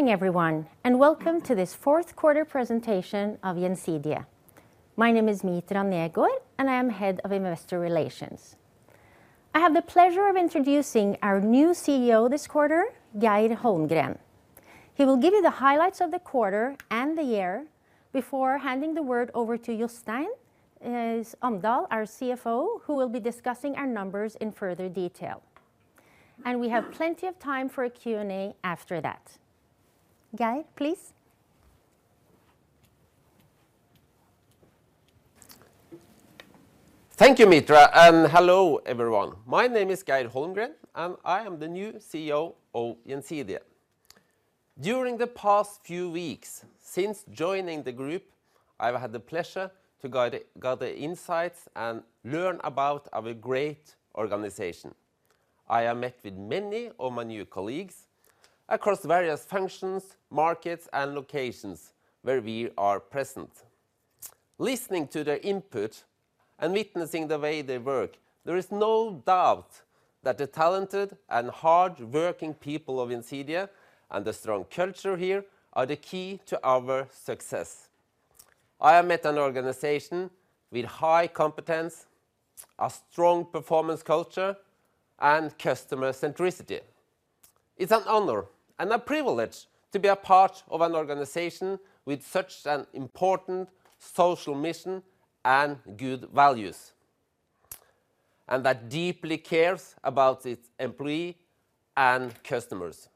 Good morning, everyone, and welcome to this fourth quarter presentation of Gjensidige. My name is Mitra Negård, and I am Head of Investor Relations. I have the pleasure of introducing our new CEO this quarter, Geir Holmgren. He will give you the highlights of the quarter and the year before handing the word over to Jostein Omdal, our CFO, who will be discussing our numbers in further detail. We have plenty of time for a Q&A after that. Geir, please. Thank you, Mitra. Hello, everyone. My name is Geir Holmgren. I am the new CEO of Gjensidige. During the past few weeks since joining the group, I've had the pleasure to gather insights and learn about our great organization. I have met with many of my new colleagues across various functions, markets, and locations where we are present. Listening to their input and witnessing the way they work, there is no doubt that the talented and hardworking people of Gjensidige and the strong culture here are the key to our success. I have met an organization with high competence, a strong performance culture, and customer centricity. It's an honor and a privilege to be a part of an organization with such an important social mission and good values, and that deeply cares about its employee and customers.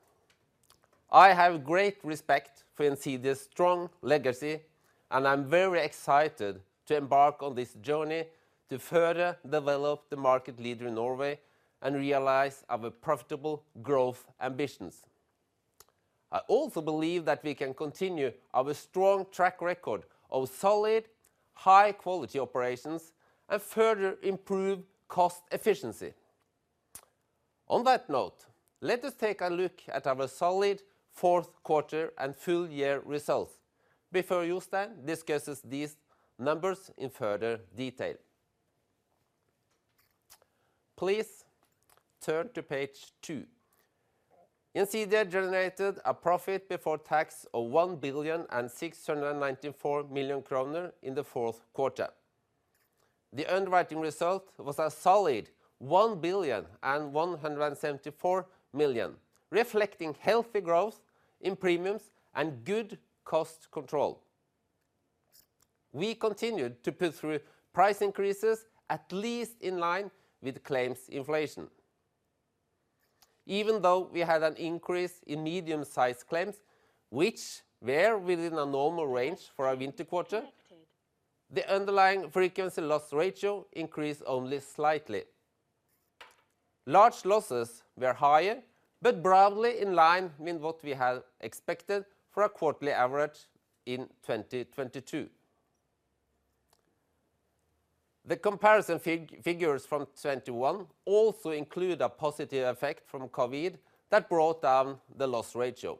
I have great respect for Gjensidige's strong legacy, and I'm very excited to embark on this journey to further develop the market leader in Norway and realize our profitable growth ambitions. I also believe that we can continue our strong track record of solid, high-quality operations and further improve cost efficiency. On that note, let us take a look at our solid fourth quarter and full year results before Jostein discusses these numbers in further detail. Please turn to page two. Gjensidige generated a profit before tax of 1.694 billion in the fourth quarter. The underwriting result was a solid 1.174 billion, reflecting healthy growth in premiums and good cost control. We continued to put through price increases at least in line with claims inflation. We had an increase in medium-sized claims, which were within a normal range for our winter quarter, the underlying frequency loss ratio increased only slightly. Large losses were higher, but broadly in line with what we had expected for a quarterly average in 2022. The comparison figures from 2021 also include a positive effect from COVID that brought down the loss ratio.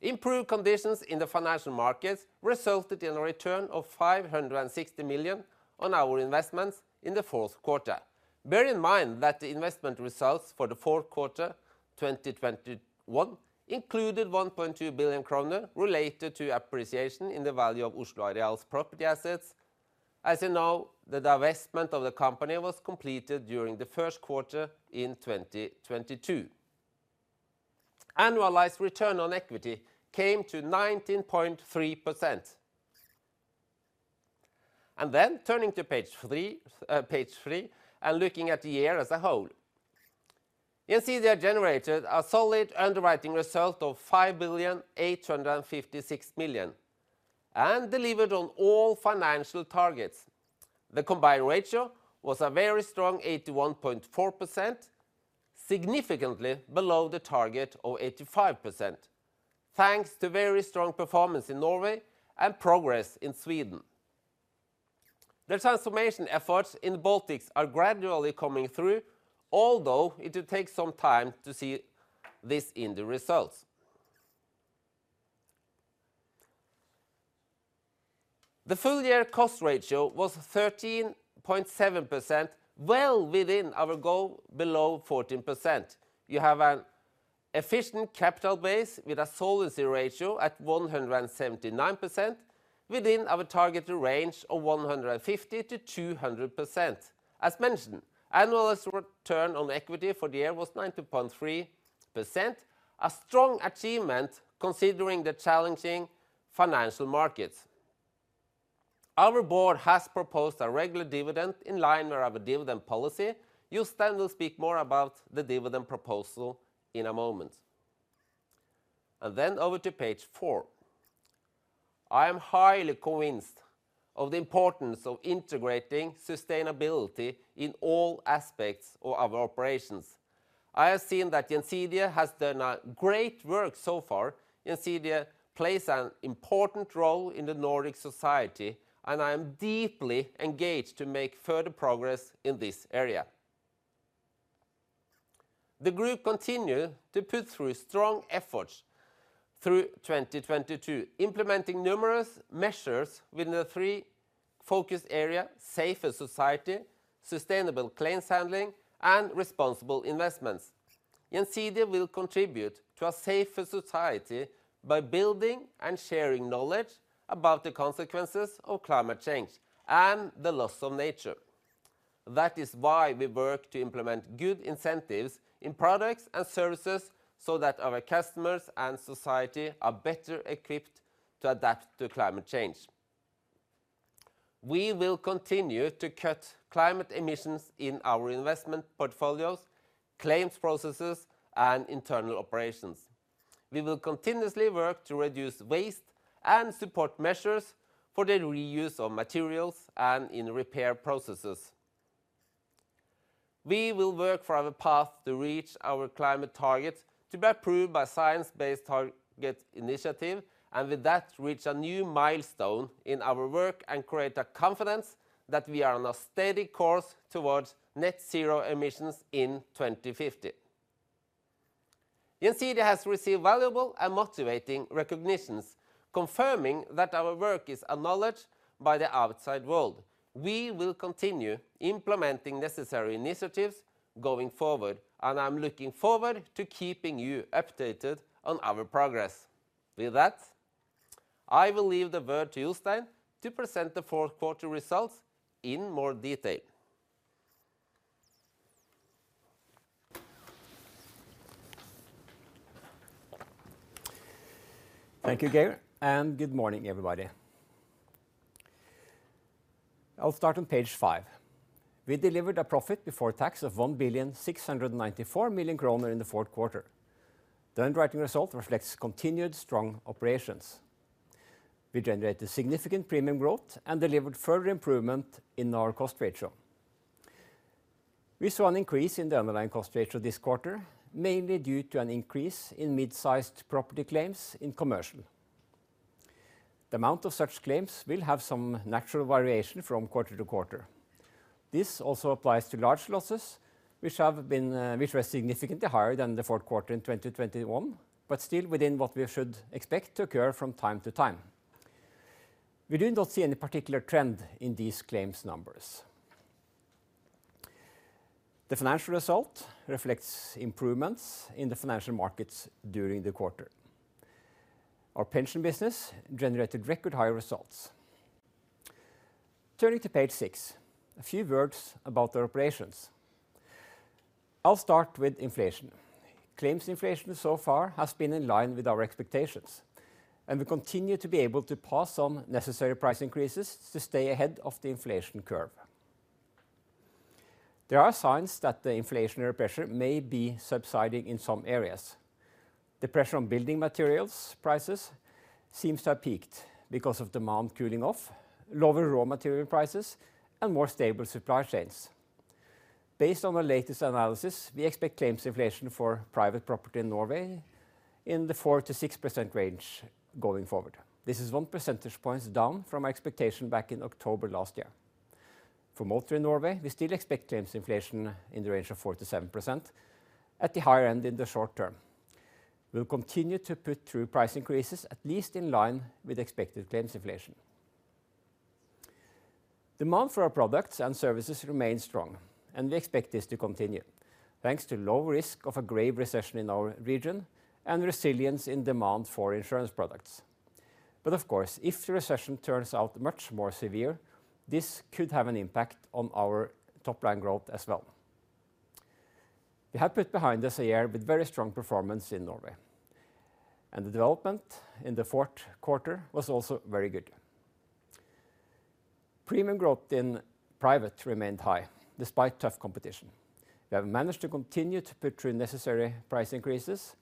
Improved conditions in the financial markets resulted in a return of 560 million on our investments in the fourth quarter. Bear in mind that the investment results for the fourth quarter 2021 included 1.2 billion kroner related to appreciation in the value of Oslo Areal's property assets. As you know, the divestment of the company was completed during the first quarter in 2022. Annualized return on equity came to 19.3%. Turning to page three, and looking at the year as a whole. Gjensidige generated a solid underwriting result of 5,856 million and delivered on all financial targets. The combined ratio was a very strong 81.4%, significantly below the target of 85%, thanks to very strong performance in Norway and progress in Sweden. The transformation efforts in the Baltics are gradually coming through, although it will take some time to see this in the results. The full year cost ratio was 13.7%, well within our goal below 14%. You have an efficient capital base with a solvency ratio at 179% within our targeted range of 150%-200%. As mentioned, annualized return on equity for the year was 19.3%, a strong achievement considering the challenging financial markets. Our board has proposed a regular dividend in line with our dividend policy. Jostein will speak more about the dividend proposal in a moment. Over to page four. I am highly convinced of the importance of integrating sustainability in all aspects of our operations. I have seen that Gjensidige has done great work so far. Gjensidige plays an important role in the Nordic society, and I am deeply engaged to make further progress in this area. The group continued to put through strong efforts. Through 2022, implementing numerous measures within the three focus area: safer society, sustainable claims handling, and responsible investments. Gjensidige will contribute to a safer society by building and sharing knowledge about the consequences of climate change and the loss of nature. That is why we work to implement good incentives in products and services so that our customers and society are better equipped to adapt to climate change. We will continue to cut climate emissions in our investment portfolios, claims processes, and internal operations. We will continuously work to reduce waste and support measures for the reuse of materials and in repair processes. We will work for our path to reach our climate targets to be approved by Science Based Targets initiative, and with that, reach a new milestone in our work and create a confidence that we are on a steady course towards net zero emissions in 2050. Gjensidige has received valuable and motivating recognitions, confirming that our work is acknowledged by the outside world. We will continue implementing necessary initiatives going forward, and I'm looking forward to keeping you updated on our progress. With that, I will leave the word to Jostein to present the fourth quarter results in more detail. Thank you, Geir, good morning, everybody. I'll start on page five. We delivered a profit before tax of 1,694 million kroner in the fourth quarter. The underwriting result reflects continued strong operations. We generated significant premium growth and delivered further improvement in our cost ratio. We saw an increase in the underlying cost ratio this quarter, mainly due to an increase in mid-sized property claims in commercial. The amount of such claims will have some natural variation from quarter to quarter. This also applies to large losses, which were significantly higher than the fourth quarter in 2021, but still within what we should expect to occur from time to time. We do not see any particular trend in these claims numbers. The financial result reflects improvements in the financial markets during the quarter. Our pension business generated record high results. Turning to page 6, a few words about our operations. I'll start with inflation. Claims inflation so far has been in line with our expectations, and we continue to be able to pass on necessary price increases to stay ahead of the inflation curve. There are signs that the inflationary pressure may be subsiding in some areas. The pressure on building materials prices seems to have peaked because of demand cooling off, lower raw material prices, and more stable supply chains. Based on the latest analysis, we expect claims inflation for private property in Norway in the 4%-6% range going forward. This is 1 percentage points down from our expectation back in October last year. For motor in Norway, we still expect claims inflation in the range of 4%-7% at the higher end in the short term. We'll continue to put through price increases, at least in line with expected claims inflation. Demand for our products and services remain strong, we expect this to continue, thanks to low risk of a grave recession in our region and resilience in demand for insurance products. Of course, if the recession turns out much more severe, this could have an impact on our top line growth as well. We have put behind us a year with very strong performance in Norway, the development in the fourth quarter was also very good. Premium growth in private remained high despite tough competition. We have managed to continue to put through necessary price increases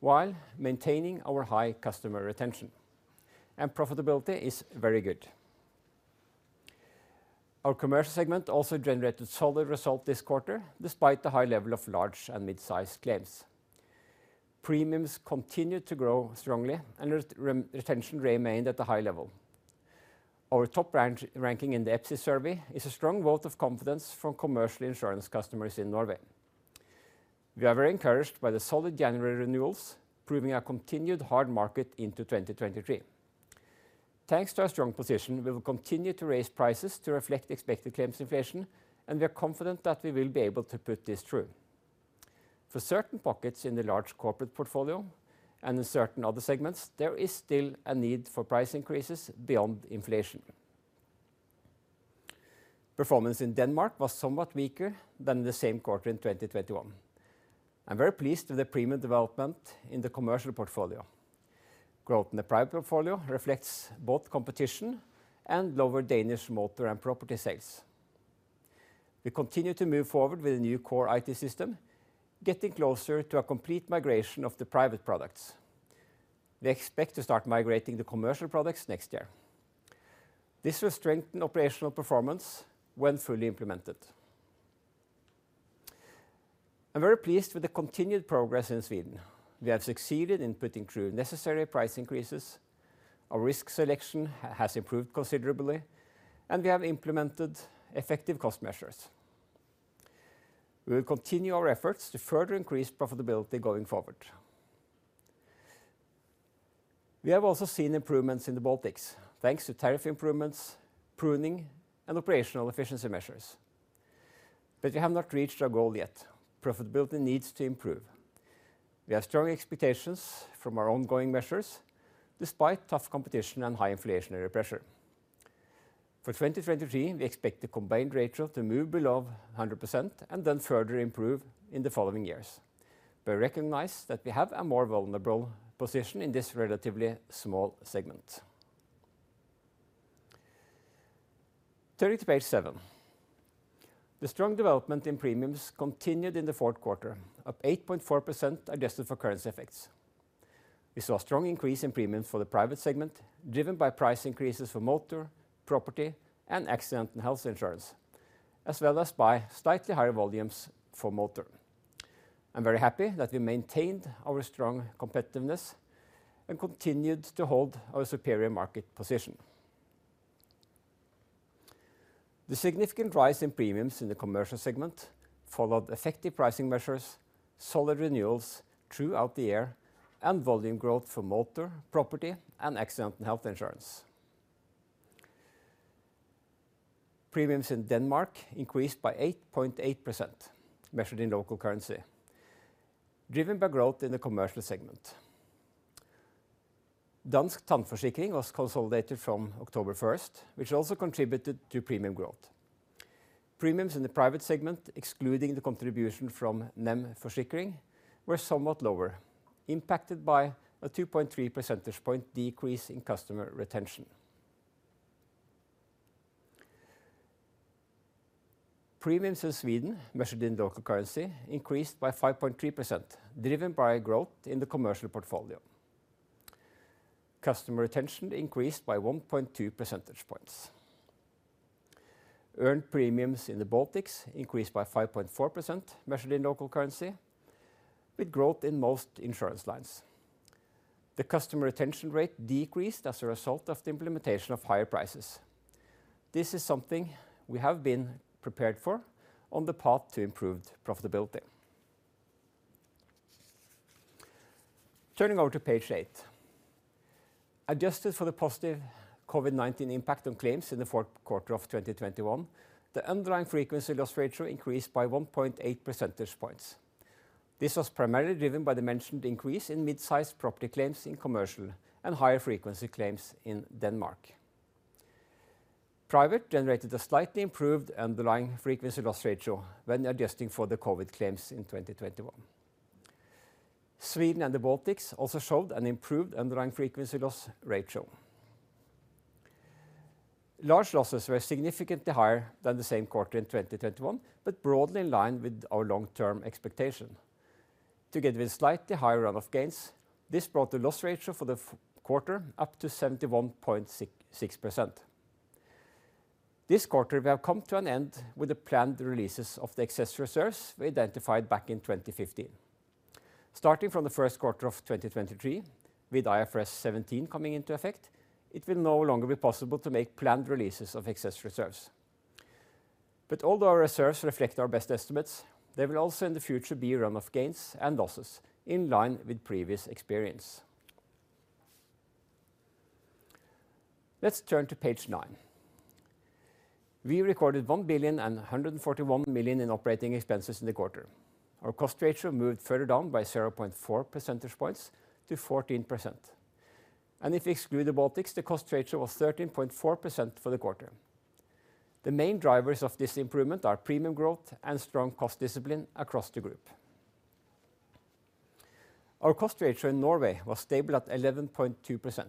while maintaining our high customer retention, profitability is very good. Our commercial segment also generated solid result this quarter, despite the high level of large and mid-sized claims. Premiums continued to grow strongly and retention remained at a high level. Our top ranking in the EPSI survey is a strong vote of confidence from commercial insurance customers in Norway. We are very encouraged by the solid January renewals, proving a continued hard market into 2023. Thanks to our strong position, we will continue to raise prices to reflect expected claims inflation, and we are confident that we will be able to put this through. For certain pockets in the large corporate portfolio and in certain other segments, there is still a need for price increases beyond inflation. Performance in Denmark was somewhat weaker than the same quarter in 2021. I'm very pleased with the premium development in the commercial portfolio. Growth in the private portfolio reflects both competition and lower Danish motor and property sales. We continue to move forward with the new core IT system, getting closer to a complete migration of the private products. We expect to start migrating the commercial products next year. This will strengthen operational performance when fully implemented. I'm very pleased with the continued progress in Sweden. We have succeeded in putting through necessary price increases, our risk selection has improved considerably, and we have implemented effective cost measures. We will continue our efforts to further increase profitability going forward. We have also seen improvements in the Baltics, thanks to tariff improvements, pruning, and operational efficiency measures. We have not reached our goal yet. Profitability needs to improve. We have strong expectations from our ongoing measures, despite tough competition and high inflationary pressure. For 2023, we expect the combined ratio to move below 100% and then further improve in the following years. We recognize that we have a more vulnerable position in this relatively small segment. Turning to page seven. The strong development in premiums continued in the fourth quarter, up 8.4% adjusted for currency effects. We saw a strong increase in premiums for the private segment, driven by price increases for motor, property, and accident and health insurance, as well as by slightly higher volumes for motor. I'm very happy that we maintained our strong competitiveness and continued to hold our superior market position. The significant rise in premiums in the commercial segment followed effective pricing measures, solid renewals throughout the year, and volume growth for motor, property, and accident and health insurance. Premiums in Denmark increased by 8.8%, measured in local currency, driven by growth in the commercial segment. Dansk Tandforsikring was consolidated from October first, which also contributed to premium growth. Premiums in the private segment, excluding the contribution from NEM Forsikring, were somewhat lower, impacted by a 2.3 percentage point decrease in customer retention. Premiums in Sweden, measured in local currency, increased by 5.3%, driven by growth in the commercial portfolio. Customer retention increased by 1.2 percentage points. Earned premiums in the Baltics increased by 5.4%, measured in local currency, with growth in most insurance lines. The customer retention rate decreased as a result of the implementation of higher prices. This is something we have been prepared for on the path to improved profitability. Turning over to page eight. Adjusted for the positive COVID-19 impact on claims in the fourth quarter of 2021, the underlying frequency loss ratio increased by 1.8 percentage points. This was primarily driven by the mentioned increase in mid-sized property claims in commercial and higher frequency claims in Denmark. Private generated a slightly improved underlying frequency loss ratio when adjusting for the COVID claims in 2021. Sweden and the Baltics also showed an improved underlying frequency loss ratio. Large losses were significantly higher than the same quarter in 2021, but broadly in line with our long-term expectation. Together with slightly higher run of gains, this brought the loss ratio for the quarter up to 71.66%. This quarter, we have come to an end with the planned releases of the excess reserves we identified back in 2015. Starting from the first quarter of 2023, with IFRS 17 coming into effect, it will no longer be possible to make planned releases of excess reserves. Although our reserves reflect our best estimates, there will also in the future be a run of gains and losses in line with previous experience. Let's turn to page nine. We recorded 1,141 million in operating expenses in the quarter. Our cost ratio moved further down by 0.4 percentage points to 14%. If we exclude the Baltics, the cost ratio was 13.4% for the quarter. The main drivers of this improvement are premium growth and strong cost discipline across the group. Our cost ratio in Norway was stable at 11.2%,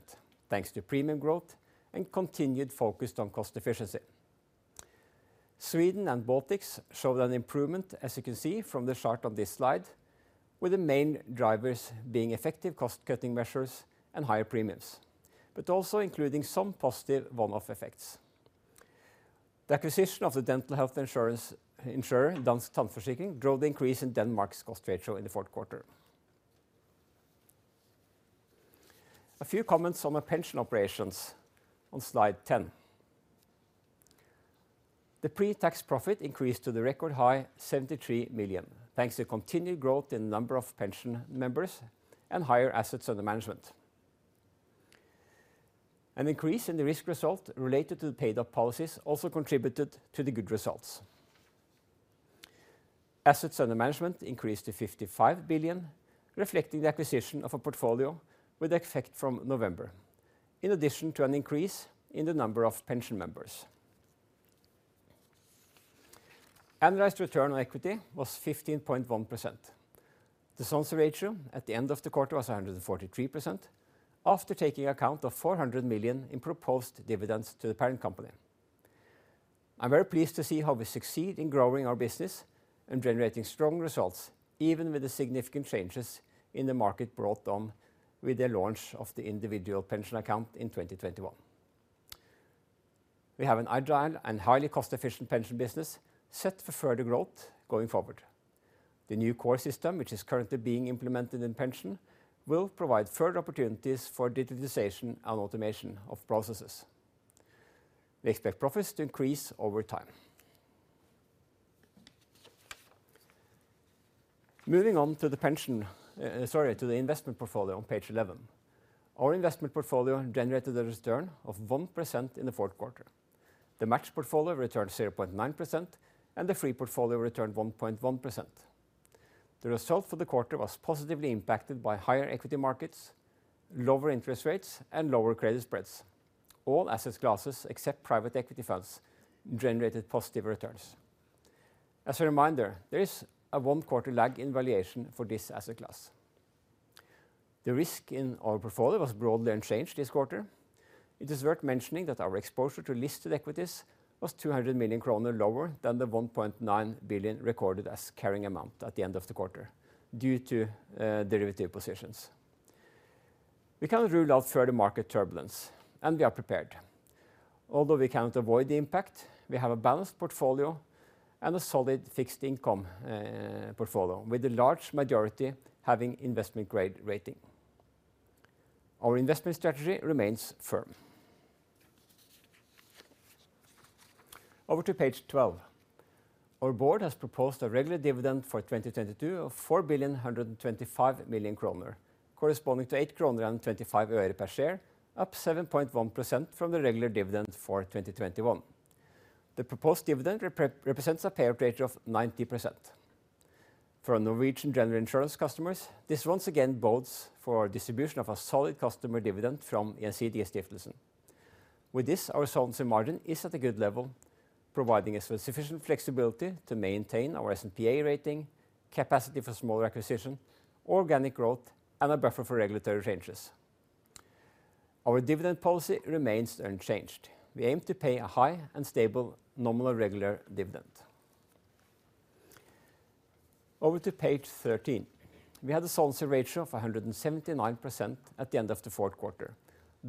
thanks to premium growth and continued focus on cost efficiency. Sweden and Baltics showed an improvement, as you can see from the chart on this slide, with the main drivers being effective cost-cutting measures and higher premiums, but also including some positive one-off effects. The acquisition of the dental health insurance, insurer, Dansk Tandforsikring, drove the increase in Denmark's cost ratio in the fourth quarter. A few comments on the pension operations on slide 10. The pre-tax profit increased to the record high 73 million, thanks to continued growth in number of pension members and higher assets under management. An increase in the risk result related to the paid-up policies also contributed to the good results. Assets under management increased to 55 billion, reflecting the acquisition of a portfolio with effect from November, in addition to an increase in the number of pension members. Annualized return on equity was 15.1%. The solvency ratio at the end of the quarter was 143%, after taking account of 400 million in proposed dividends to the parent company. I'm very pleased to see how we succeed in growing our business and generating strong results, even with the significant changes in the market brought on with the launch of the individual pension account in 2021. We have an agile and highly cost-efficient pension business set for further growth going forward. The new core system, which is currently being implemented in pension, will provide further opportunities for digitalization and automation of processes. We expect profits to increase over time. Moving on to the pension, sorry, to the investment portfolio on page 11. Our investment portfolio generated a return of 1% in the fourth quarter. The matched portfolio returned 0.9%, and the free portfolio returned 1.1%. The result for the quarter was positively impacted by higher equity markets, lower interest rates, and lower credit spreads. All asset classes, except private equity funds, generated positive returns. As a reminder, there is a one-quarter lag in valuation for this asset class. The risk in our portfolio was broadly unchanged this quarter. It is worth mentioning that our exposure to listed equities was 200 million kroner lower than the 1.9 billion recorded as carrying amount at the end of the quarter due to derivative positions. We can't rule out further market turbulence, and we are prepared. Although we cannot avoid the impact, we have a balanced portfolio and a solid fixed income portfolio, with the large majority having investment-grade rating. Our investment strategy remains firm. Over to page 12. Our board has proposed a regular dividend for 2022 of 4,125 million kroner, corresponding to NOK 8.25 per share, up 7.1% from the regular dividend for 2021. The proposed dividend represents a payout ratio of 90%. For our Norwegian General Insurance customers, this once again bodes for distribution of a solid customer dividend from Gjensidigestiftelsen. With this, our solvency margin is at a good level, providing us with sufficient flexibility to maintain our S&P rating, capacity for small acquisition, organic growth, and a buffer for regulatory changes. Our dividend policy remains unchanged. We aim to pay a high and stable nominal regular dividend. Over to page 13. We had a solvency ratio of 179% at the end of the fourth quarter,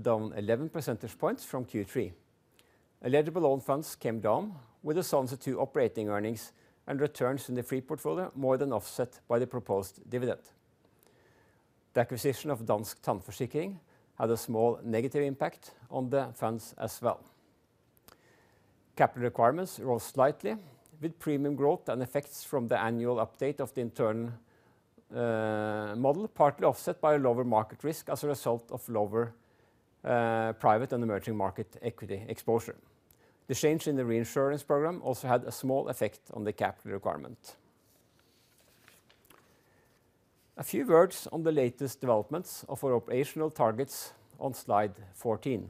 down 11 percentage points from Q3. Eligible own funds came down, with the solvency to operating earnings and returns in the free portfolio more than offset by the proposed dividend. The acquisition of Dansk Tandforsikring had a small negative impact on the funds as well. Capital requirements rose slightly, with premium growth and effects from the annual update of the internal model, partly offset by a lower market risk as a result of lower private and emerging market equity exposure. The change in the reinsurance program also had a small effect on the capital requirement. A few words on the latest developments of our operational targets on slide 14.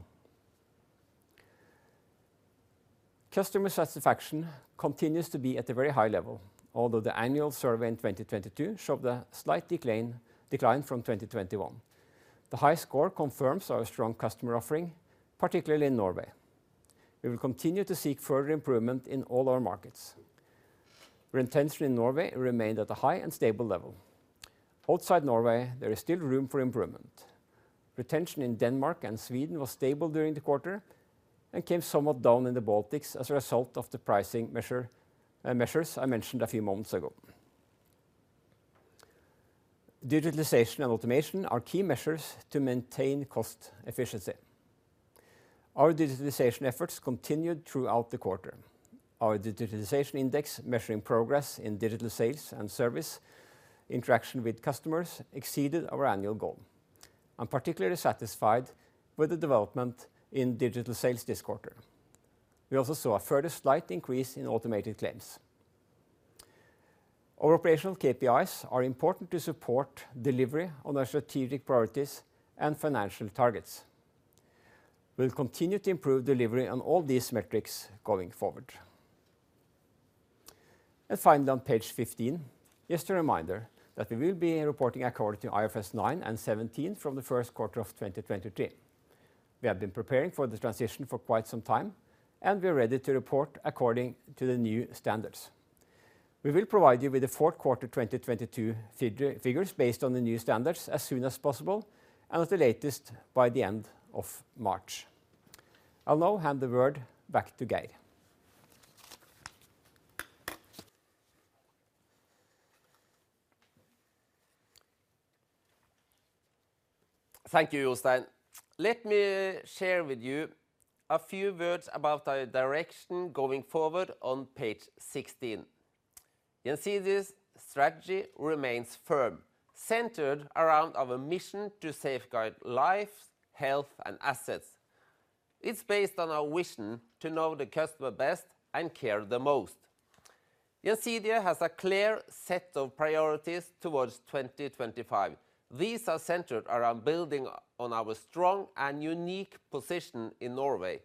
Customer satisfaction continues to be at a very high level, although the annual survey in 2022 showed a slight decline from 2021. The high score confirms our strong customer offering, particularly in Norway. We will continue to seek further improvement in all our markets. Retention in Norway remained at a high and stable level. Outside Norway, there is still room for improvement. Retention in Denmark and Sweden was stable during the quarter and came somewhat down in the Baltics as a result of the pricing measures I mentioned a few moments ago. Digitalization and automation are key measures to maintain cost efficiency. Our digitalization efforts continued throughout the quarter. Our digitalization index, measuring progress in digital sales and service interaction with customers, exceeded our annual goal. I'm particularly satisfied with the development in digital sales this quarter. We also saw a further slight increase in automated claims. Our operational KPIs are important to support delivery on our strategic priorities and financial targets. We'll continue to improve delivery on all these metrics going forward. Finally, on page 15, just a reminder that we will be reporting according to IFRS 9 and 17 from the first quarter of 2023. We have been preparing for this transition for quite some time, and we are ready to report according to the new standards. We will provide you with the fourth quarter 2022 figures based on the new standards as soon as possible and at the latest by the end of March. I'll now hand the word back to Geir. Thank you, Jostein. Let me share with you a few words about our direction going forward on page 16. Gjensidige's strategy remains firm, centered around our mission to safeguard lives, health, and assets. It's based on our vision to know the customer best and care the most. Gjensidige has a clear set of priorities towards 2025. These are centered around building on our strong and unique position in Norway,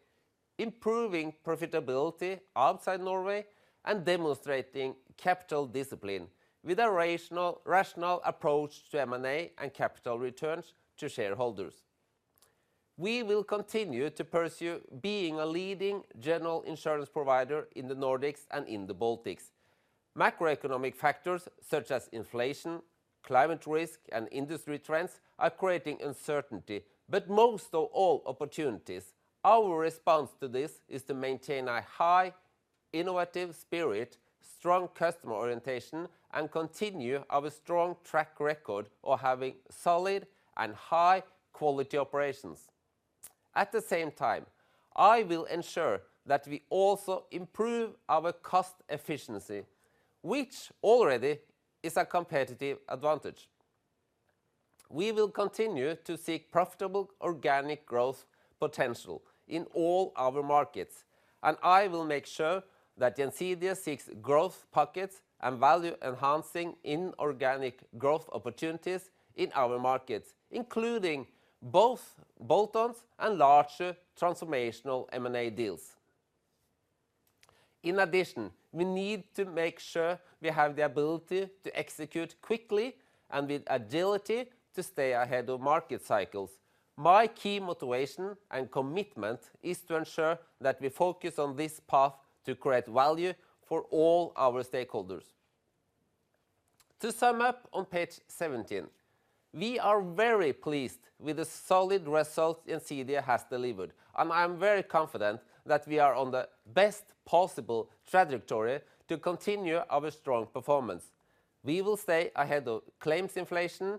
improving profitability outside Norway, and demonstrating capital discipline with a rational approach to M&A and capital returns to shareholders. We will continue to pursue being a leading general insurance provider in the Nordics and in the Baltics. Macroeconomic factors such as inflation, climate risk, and industry trends are creating uncertainty, but most of all, opportunities. Our response to this is to maintain a high innovative spirit, strong customer orientation, and continue our strong track record of having solid and high quality operations. At the same time, I will ensure that we also improve our cost efficiency, which already is a competitive advantage. We will continue to seek profitable organic growth potential in all our markets, and I will make sure that Gjensidige seeks growth pockets and value enhancing inorganic growth opportunities in our markets, including both bolt-ons and larger transformational M&A deals. In addition, we need to make sure we have the ability to execute quickly and with agility to stay ahead of market cycles. My key motivation and commitment is to ensure that we focus on this path to create value for all our stakeholders. To sum up on page 17, we are very pleased with the solid results Gjensidige has delivered. I am very confident that we are on the best possible trajectory to continue our strong performance. We will stay ahead of claims inflation.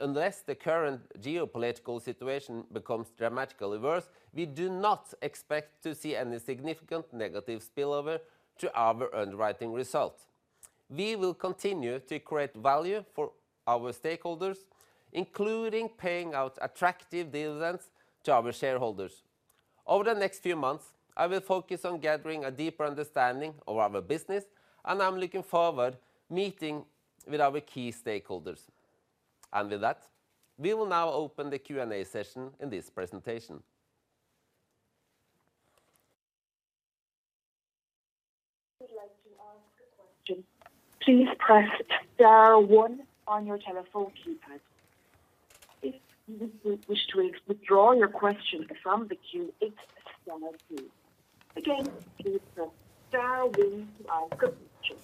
Unless the current geopolitical situation becomes dramatically worse, we do not expect to see any significant negative spillover to our underwriting result. We will continue to create value for our stakeholders, including paying out attractive dividends to our shareholders. Over the next few months, I will focus on gathering a deeper understanding of our business. I'm looking forward meeting with our key stakeholders. With that, we will now open the Q&A session in this presentation. Would like to ask a question, please press star one on your telephone keypad. If you would wish to withdraw your question from the queue, it's star two. Again, please press star one to ask a question.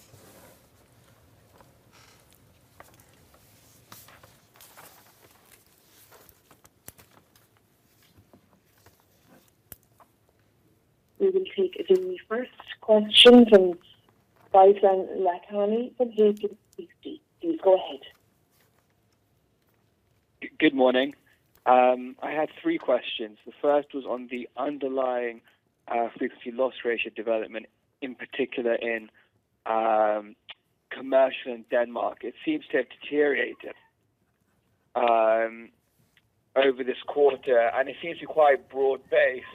We will take the first question from [Trygve Buanes from JPMorgan] Please go ahead. Good morning. I had three questions. The first was on the underlying frequency loss ratio development, in particular in commercial in Denmark. It seems to have deteriorated over this quarter, and it seems to be quite broad-based.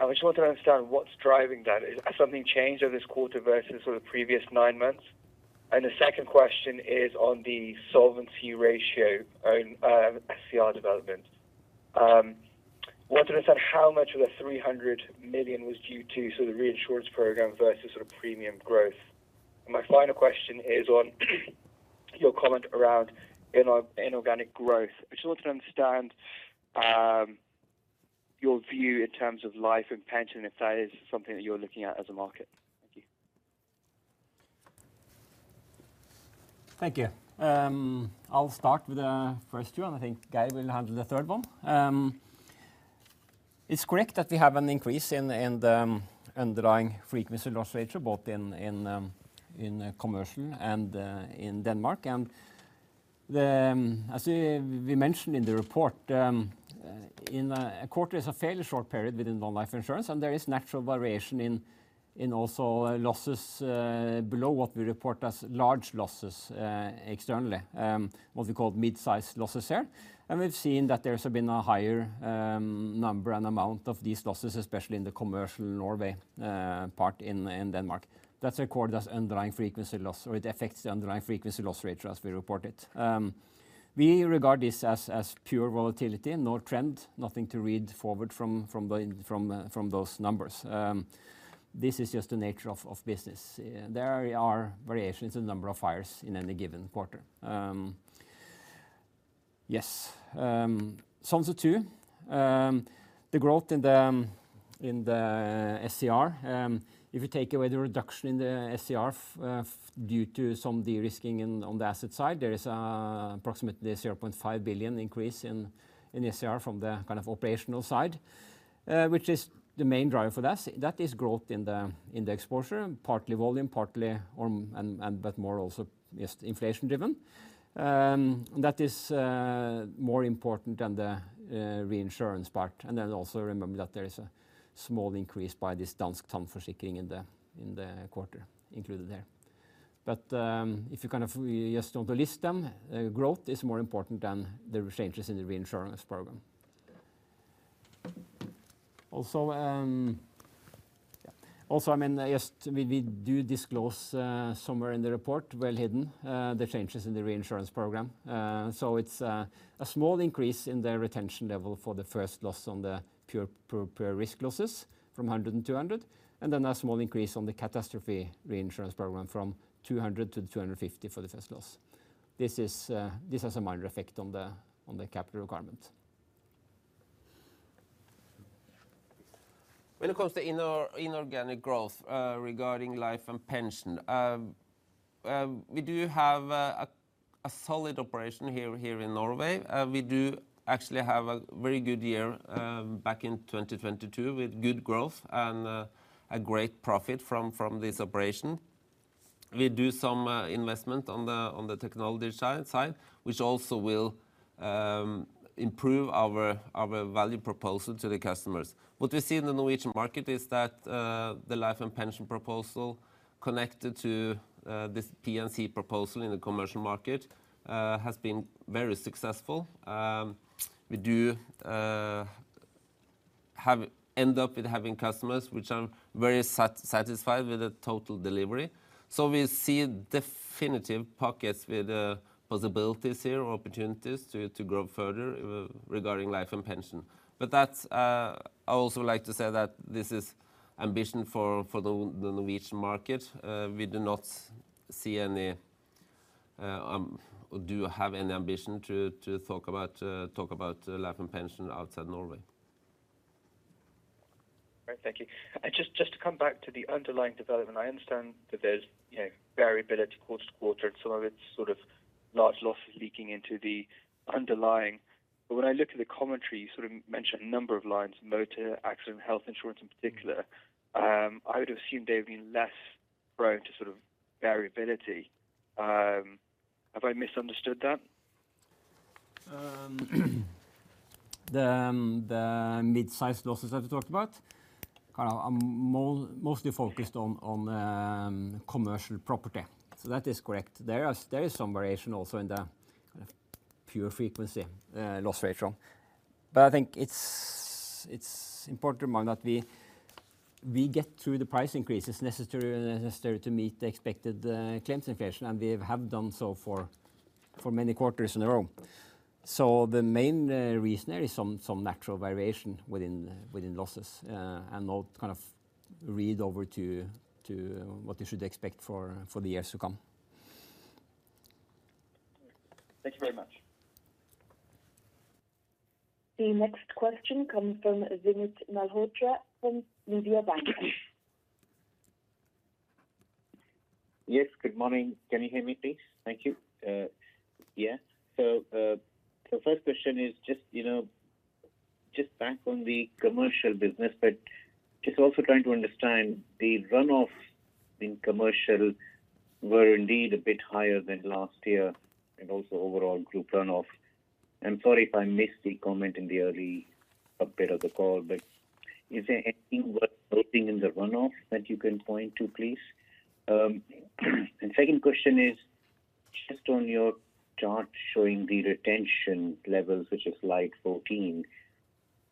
I just want to understand what's driving that. Has something changed over this quarter versus the previous nine months? The second question is on the solvency ratio, SCR development. Wanted to understand how much of the 300 million was due to sort of reinsurance program versus sort of premium growth. My final question is on your comment around inorganic growth. I just want to understand your view in terms of life and pension, if that is something that you're looking at as a market. Thank you. Thank you. I'll start with the first two, and I think Gary will handle the third one. It's correct that we have an increase in the underlying frequency loss ratio, both in commercial and in Denmark. As we mentioned in the report, in a quarter is a fairly short period within non-life insurance, and there is natural variation in losses below what we report as large losses externally, what we call mid-sized losses here. We've seen that there's been a higher number and amount of these losses, especially in the commercial Norway part in Denmark. That's recorded as underlying frequency loss, or it affects the underlying frequency loss ratio as we report it. We regard this as pure volatility, no trend, nothing to read forward from those numbers. This is just the nature of business. There are variations in the number of fires in any given quarter. Yes. Solvency II, the growth in the SCR, if you take away the reduction in the SCR due to some de-risking on the asset side, there is approximately 0.5 billion increase in the SCR from the kind of operational side, which is the main driver for that. That is growth in the exposure, partly volume, partly, and but more also just inflation driven. That is more important than the reinsurance part. Also remember that there is a small increase by this Dansk Tandforsikring in the quarter included there. If you kind of just want to list them, growth is more important than the changes in the reinsurance program. Also, I mean, just we do disclose, somewhere in the report, well hidden, the changes in the reinsurance program. It's a small increase in the retention level for the first loss on the pure risk losses from 100 and 200, and then a small increase on the catastrophe reinsurance program from 200-250 for the first loss. This has a minor effect on the capital requirement. When it comes to inorganic growth, regarding life and pension, we do have a solid operation here in Norway. We do actually have a very good year back in 2022 with good growth and a great profit from this operation. We do some investment on the technology side, which also will improve our value proposal to the customers. What we see in the Norwegian market is that the life and pension proposal connected to this P&C proposal in the commercial market has been very successful. We do have end up with having customers which are very satisfied with the total delivery. We see definitive pockets with possibilities here or opportunities to grow further regarding life and pension. That's, I also like to say that this is ambition for the Norwegian market. We do not see any, or do have any ambition to talk about life and pension outside Norway. Great. Thank you. Just to come back to the underlying development, I understand that there's, you know, variability quarter to quarter, and some of it's sort of large losses leaking into the underlying. When I look at the commentary, you sort of mentioned a number of lines, motor, accident, health insurance in particular, I would assume they've been less prone to sort of variability. Have I misunderstood that? The midsize losses that we talked about, kind of I'm mostly focused on commercial property. That is correct. There is some variation also in the kind of pure frequency loss ratio. I think it's important to remind that we get through the price increases necessary to meet the expected claims inflation, and we have done so for many quarters in a row. The main reason there is some natural variation within losses, and not kind of read over to what you should expect for the years to come. Thank you very much. The next question comes from Vinit Malhotra from Mediobanca. Yes. Good morning. Can you hear me, please? Thank you. Yeah. The first question is just, you know, just back on the commercial business, but just also trying to understand the run-off in commercial were indeed a bit higher than last year and also overall group run-off. I'm sorry if I missed the comment in the early bit of the call, but is there anything worth noting in the run-off that you can point to, please? Second question is just on your chart showing the retention levels, which is slide 14.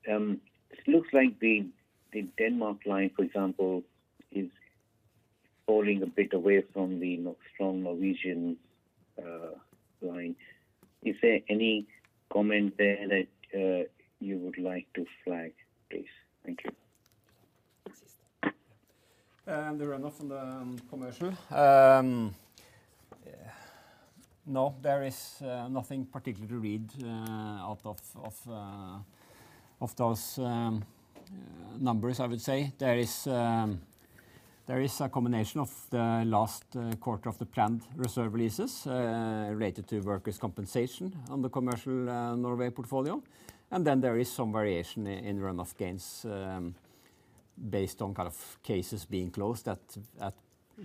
This looks like the Denmark line, for example, is falling a bit away from the, you know, strong Norwegian line. Is there any comment there that, you would like to flag, please? Thank you. The run-off on the commercial. No, there is nothing particular to read out of those numbers, I would say. There is a combination of the last quarter of the planned reserve releases related to workers' compensation on the commercial Norway portfolio. Then there is some variation in run-off gains based on kind of cases being closed at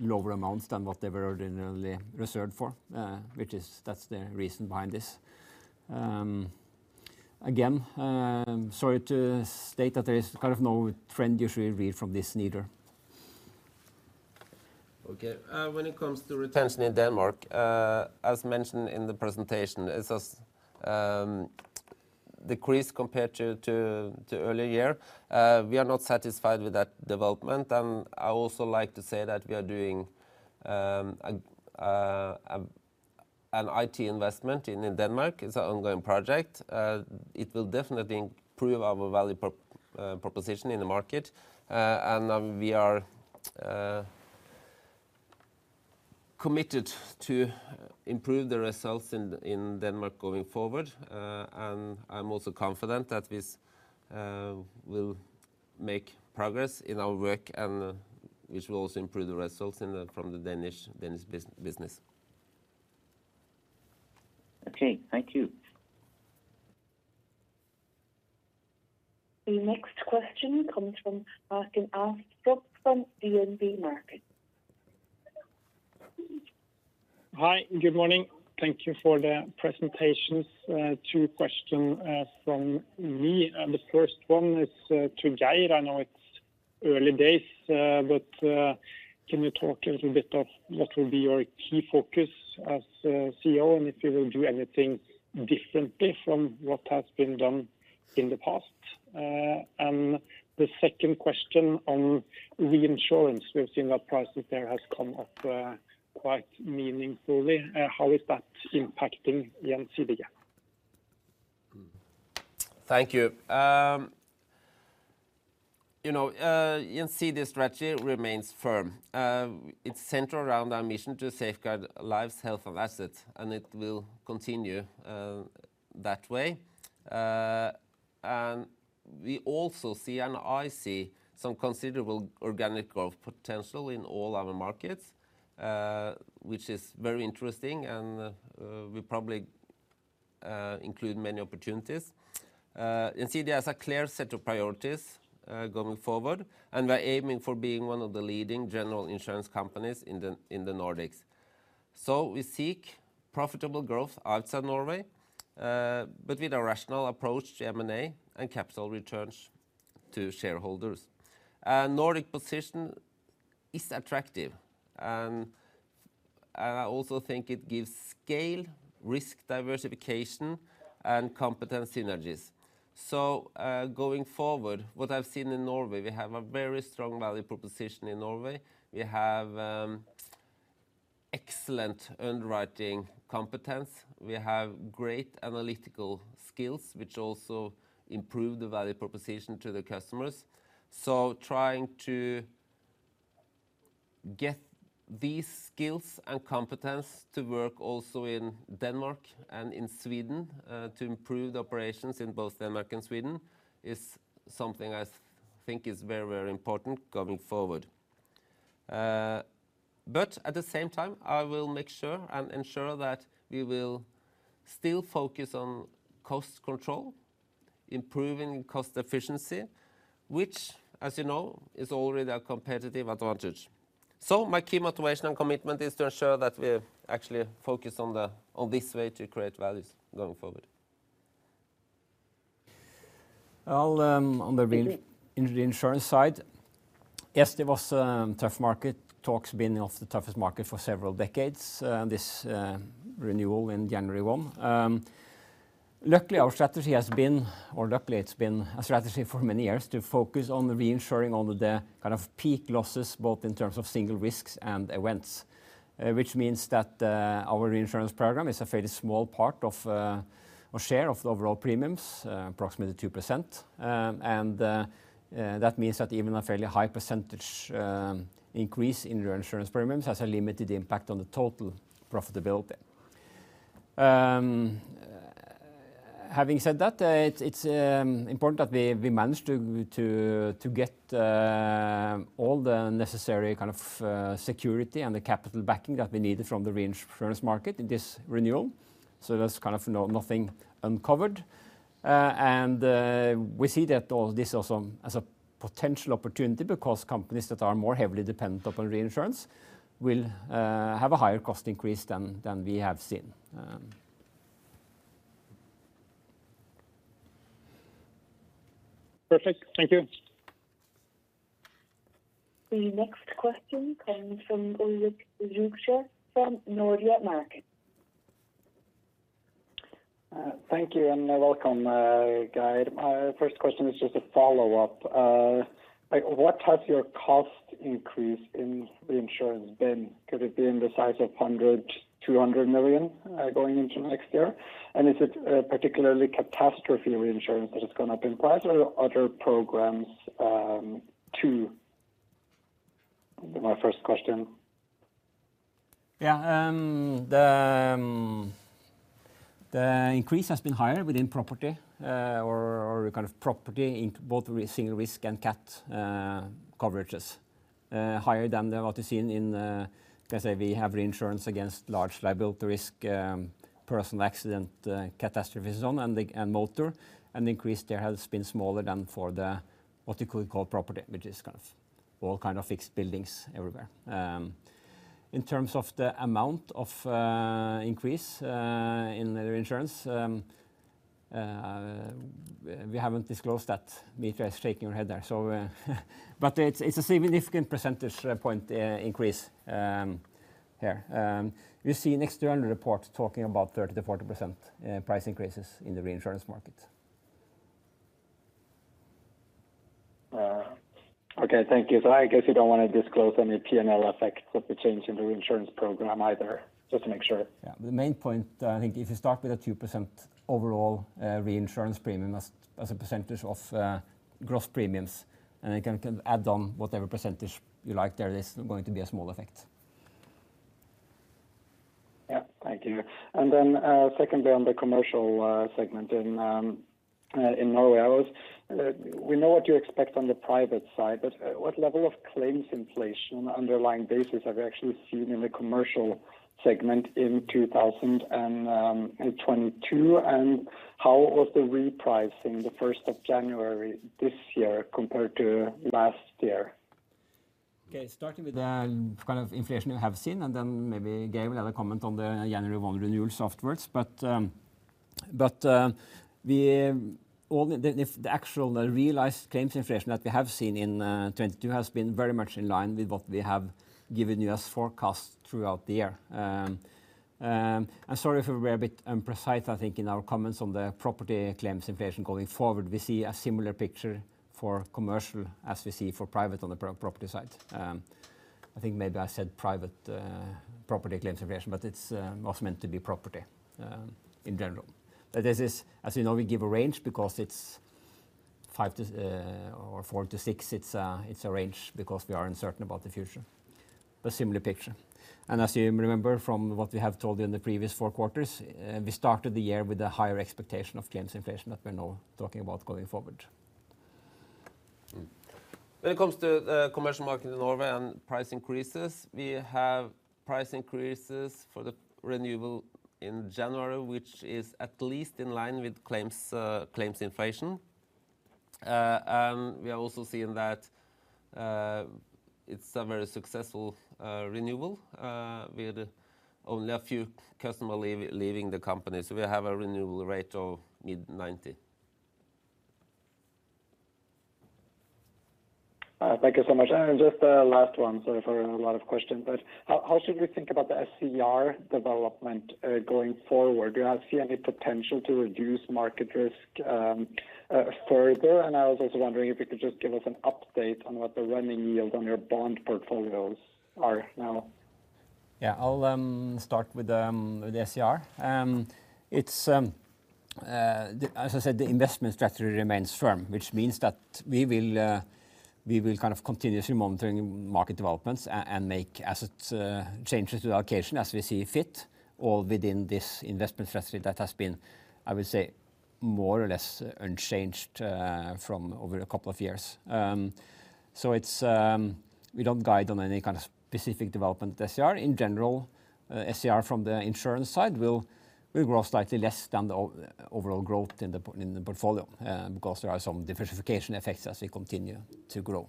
lower amounts than what they were originally reserved for, which is that's the reason behind this. Again, sorry to state that there is kind of no trend you should read from this neither. Okay. When it comes to retention in Denmark, as mentioned in the presentation, it has decreased compared to earlier year. We are not satisfied with that development. I also like to say that we are doing an IT investment in Denmark. It's an ongoing project. It will definitely improve our value proposition in the market. We are committed to improve the results in Denmark going forward. I'm also confident that this will make progress in our work and which will also improve the results from the Danish business. Okay. Thank you. The next question comes from Martin Karlsson from DNB Markets. Hi. Good morning. Thank you for the presentations. Two question from me. The first one is to Geir. I know it's early days, but can you talk a little bit of what will be your key focus as CEO, and if you will do anything differently from what has been done in the past? The second question on reinsurance. We've seen that prices there has come up quite meaningfully. How is that impacting the NC gap? Thank you. You know, you can see the strategy remains firm. It's centered around our mission to safeguard lives, health, and assets, and it will continue that way. We also see, and I see some considerable organic growth potential in all our markets, which is very interesting, and we probably include many opportunities. See there's a clear set of priorities going forward, and we're aiming for being one of the leading general insurance companies in the Nordics. We seek profitable growth outside Norway, but with a rational approach to M&A and capital returns to shareholders. Nordic position is attractive. I also think it gives scale, risk diversification, and competence synergies. Going forward, what I've seen in Norway, we have a very strong value proposition in Norway. We have excellent underwriting competence. We have great analytical skills, which also improve the value proposition to the customers. Trying to get these skills and competence to work also in Denmark and in Sweden, to improve the operations in both Denmark and Sweden is something I think is very, very important going forward. At the same time, I will make sure and ensure that we will still focus on cost control, improving cost efficiency, which, as you know, is already a competitive advantage. My key motivation and commitment is to ensure that we actually focus on this way to create values going forward. I'll on the reinsurance side. Yes, there was tough market. Talk's been of the toughest market for several decades, this renewal in January 1. Luckily, our strategy has been, or luckily it's been a strategy for many years to focus on the reinsuring on the kind of peak losses, both in terms of single risks and events. Which means that our reinsurance program is a fairly small part of, or share of the overall premiums, approximately 2%. And that means that even a fairly high percentage increase in reinsurance premiums has a limited impact on the total profitability. Having said that, it's important that we managed to get all the necessary kind of security and the capital backing that we needed from the reinsurance market in this renewal. There's kind of no-nothing uncovered. We see that all this also as a potential opportunity because companies that are more heavily dependent upon reinsurance will have a higher cost increase than we have seen. Perfect. Thank you. The next question comes from Ulrich Zürcher from Nordea Markets. Thank you, welcome, Geir. My first question is just a follow-up. What has your cost increase in reinsurance been? Could it be in the size of 100 million-200 million going into next year? Is it particularly catastrophe reinsurance that is gonna up in price or other programs too? My first question. Yeah. The increase has been higher within property, or kind of property in both single risk and cat coverages. Higher than what is seen in, let's say we have reinsurance against large liability risk, personal accident, catastrophes and motor. The increase there has been smaller than for the, what you could call property, which is kind of all kind of fixed buildings everywhere. In terms of the amount of increase in the reinsurance, we haven't disclosed that. Meteor is shaking her head there. But it's a significant percentage point increase here. We've seen external reports talking about 30%-40% price increases in the reinsurance market. Okay. Thank you. I guess you don't wanna disclose any P&L effects of the change in the reinsurance program either, just to make sure? The main point, I think if you start with a 2% overall reinsurance premium as a percentage of gross premiums, and you can add on whatever percentage you like, there is going to be a small effect. Yeah. Thank you. Then, secondly, on the commercial segment in Norway, we know what you expect on the private side, but what level of claims inflation underlying basis have you actually seen in the commercial segment in 2022? How was the repricing the first of January this year compared to last year? Starting with the kind of inflation we have seen, then maybe Geir will add a comment on the January 1 renewals afterwards. All the actual realized claims inflation that we have seen in 2022 has been very much in line with what we have given you as forecast throughout the year. I'm sorry if we were a bit imprecise, I think, in our comments on the property claims inflation going forward. We see a similar picture for commercial as we see for private on the pro-property side. I think maybe I said private property claims inflation, but it was meant to be property in general. This is, as you know, we give a range because it's five to or four to six. It's a range because we are uncertain about the future. A similar picture. As you remember from what we have told you in the previous four quarters, we started the year with a higher expectation of claims inflation that we're now talking about going forward. When it comes to commercial market in Norway and price increases, we have price increases for the renewable in January, which is at least in line with claims inflation. We are also seeing that it's a very successful renewable with only a few customer leaving the company. We have a renewal rate of mid 90. Thank you so much. Just last one. Sorry for a lot of questions, but how should we think about the SCR development going forward? Do I see any potential to reduce market risk further? I was also wondering if you could just give us an update on what the running yield on your bond portfolios are now. I'll start with SCR. It's, as I said, the investment strategy remains firm, which means that we will kind of continuously monitoring market developments and make asset changes to the allocation as we see fit, all within this investment strategy that has been, I would say, more or less unchanged from over a couple of years. It's, we don't guide on any kind of specific development at SCR. In general, SCR from the insurance side will grow slightly less than the overall growth in the portfolio, because there are some diversification effects as we continue to grow.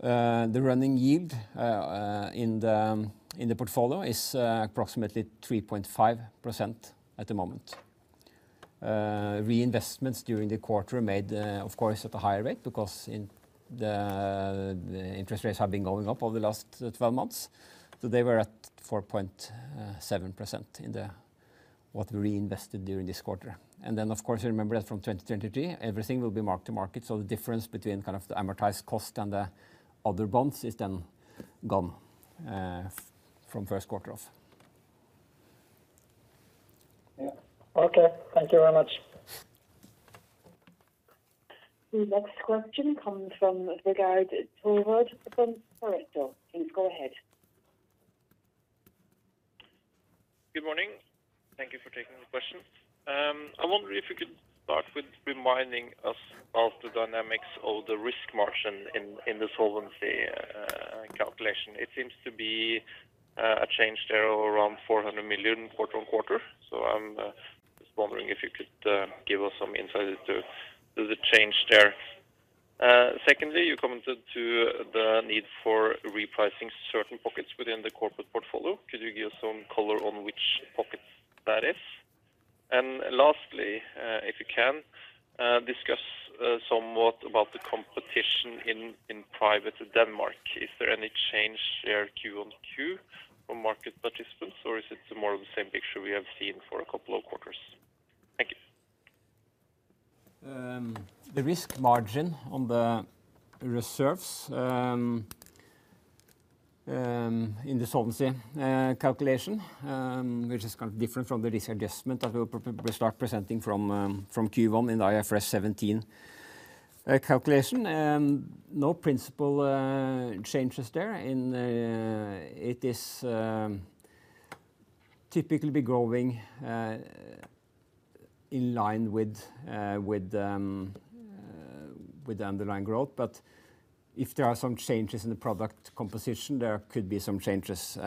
The running yield in the portfolio is approximately 3.5% at the moment. Reinvestments during the quarter made, of course, at a higher rate because the interest rates have been going up over the last 12 months. They were at 4.7% in the what we reinvested during this quarter. Then, of course, you remember that from 2023, everything will be mark to market, so the difference between kind of the amortized cost and the other bonds is then gone from first quarter off. Yeah. Okay. Thank you very much. The next question comes from Vegard Toverud from Pareto. Please go ahead. Good morning. Thank you for taking the questions. I wonder if you could start with reminding us of the dynamics of the risk margin in the solvency calculation. It seems to be a change there of around 400 million quarter-on-quarter. I'm just wondering if you could give us some insight into the change there. Secondly, you commented to the need for repricing certain pockets within the corporate portfolio. Could you give some color on which pockets that is? Lastly, if you can discuss somewhat about the competition in private Denmark. Is there any change there Q-O-Q from market participants, or is it more of the same picture we have seen for a couple of quarters? Thank you. The risk margin on the reserves in the solvency calculation, which is kind of different from the risk adjustment that we'll start presenting from Q1 in IFRS 17 calculation. No principal changes there. It is typically be growing in line with with the underlying growth. If there are some changes in the product composition, there could be some changes.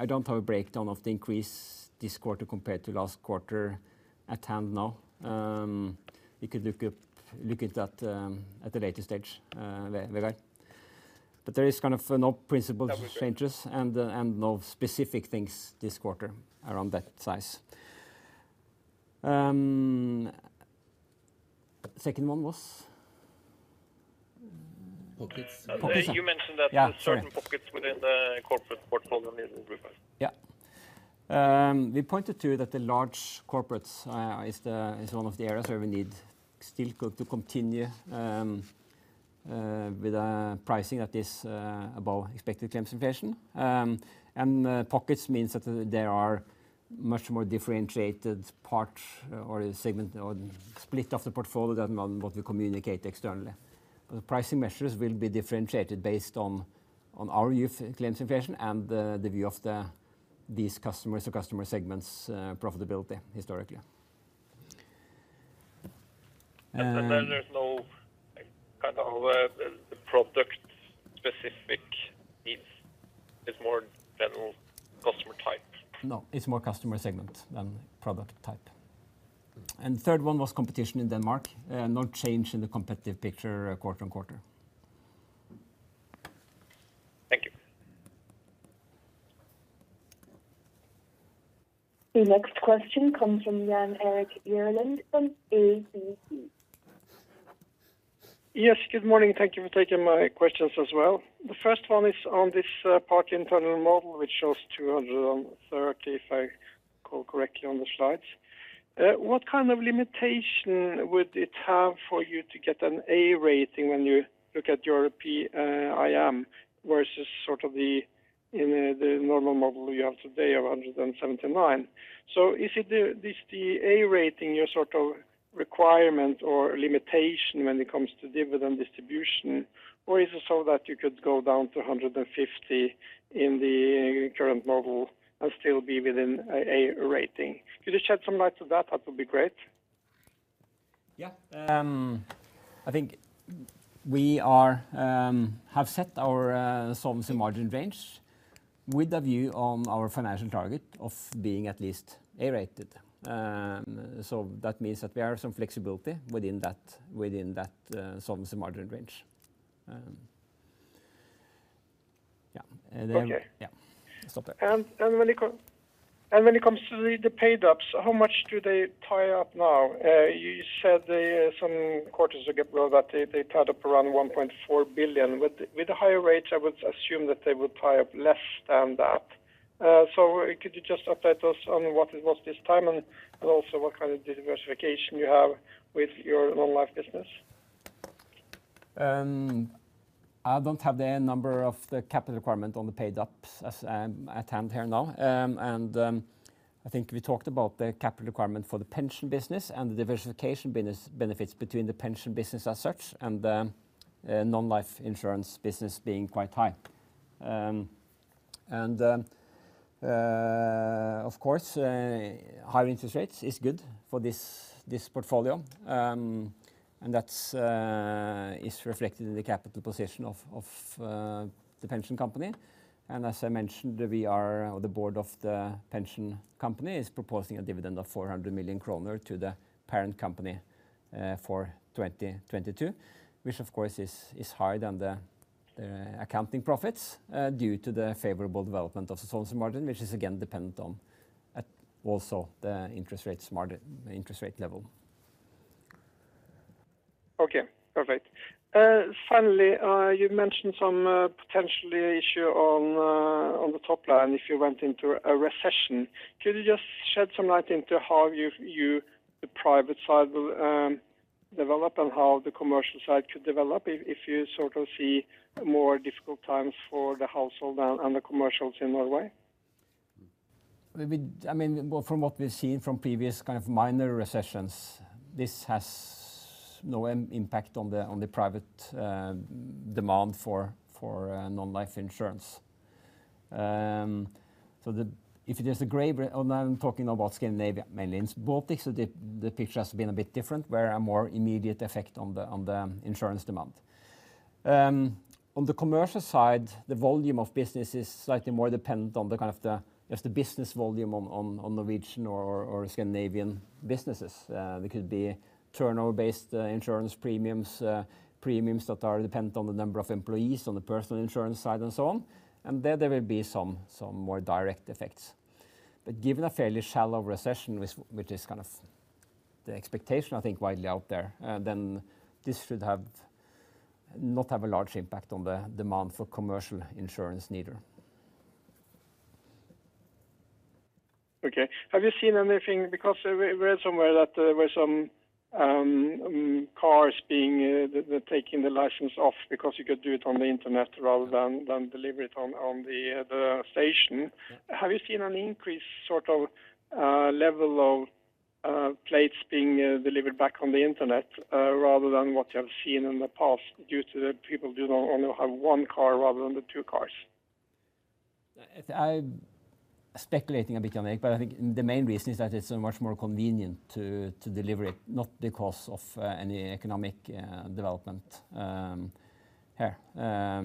I don't have a breakdown of the increase this quarter compared to last quarter at hand now. We could look up, look at that at a later stage, Vegard. There is kind of no principal changes and no specific things this quarter around that size. Second one was? Pockets. You mentioned that- Yeah. Sorry. There are certain pockets within the corporate portfolio need to reprice. Yeah. We pointed to that the large corporates is one of the areas where we need to continue with pricing that is above expected claims inflation. Pockets means that there are much more differentiated part or segment or split of the portfolio than what we communicate externally. The pricing measures will be differentiated based on our view of claims inflation and the view of these customers or customer segments', profitability historically. There's no kind of, the product specific needs. It's more general customer type. No, it's more customer segment than product type. Third one was competition in Denmark. No change in the competitive picture quarter-on-quarter. Thank you. The next question comes from Jan Erik Gjerland from ABG. Yes, good morning. Thank you for taking my questions as well. The first one is on this party internal model, which shows 230, if I call correctly on the slides? What kind of limitation would it have for you to get an A rating when you look at your PIM versus sort of the, in the normal model you have today of 179. Is it this the 'A' rating your sort of requirement or limitation when it comes to dividend distribution? Or is it so that you could go down to 150 in the current model and still be within an 'A' rating? Could you shed some light to that? That would be great. Yeah. I think we are have set our solvency margin range with a view on our financial target of being at least A-rated. That means that we have some flexibility within that, within that solvency margin range. Yeah. Okay. Yeah. Stop there. When it comes to the paid ups, how much do they tie up now? You said some quarters ago that they tied up around 1.4 billion. With the higher rates, I would assume that they would tie up less than that. Could you just update us on what it was this time, also what kind of diversification you have with your non-life business? I don't have the number of the capital requirement on the paid ups as at hand here now. I think we talked about the capital requirement for the pension business and the diversification business benefits between the pension business as such and non-life insurance business being quite high. Of course, higher interest rates is good for this portfolio. That's is reflected in the capital position of the pension company. As I mentioned, we are, or the board of the pension company is proposing a dividend of 400 million kroner to the parent company for 2022, which of course is higher than the accounting profits due to the favorable development of solvency margin, which is again dependent on also the interest rate level. Okay, perfect. Finally, you mentioned some potentially issue on on the top line if you went into a recession. Could you just shed some light into how you the private side will, develop and how the commercial side could develop if you sort of see more difficult times for the household and the commercials in Norway? I mean, well, from what we've seen from previous kind of minor recessions, this has no impact on the private demand for non-life insurance. If there's a gray area, now I'm talking about Scandinavia mainly. In Baltics, the picture has been a bit different, where a more immediate effect on the insurance demand. On the commercial side, the volume of business is slightly more dependent on the kind of just the business volume on Norwegian or Scandinavian businesses. They could be turnover based insurance premiums that are dependent on the number of employees on the personal insurance side and so on. There will be some more direct effects. Given a fairly shallow recession, which is kind of the expectation, I think, widely out there, then this should have, not have a large impact on the demand for commercial insurance neither. Okay. Have you seen anything? We read somewhere that there were some cars being the taking the license off because you could do it on the internet rather than deliver it on the station. Have you seen an increase sort of level of plates being delivered back on the internet rather than what you have seen in the past due to the people do not only have one car rather than the two cars? I speculating a bit, Erik, but I think the main reason is that it's much more convenient to deliver it, not because of any economic development here. Yeah.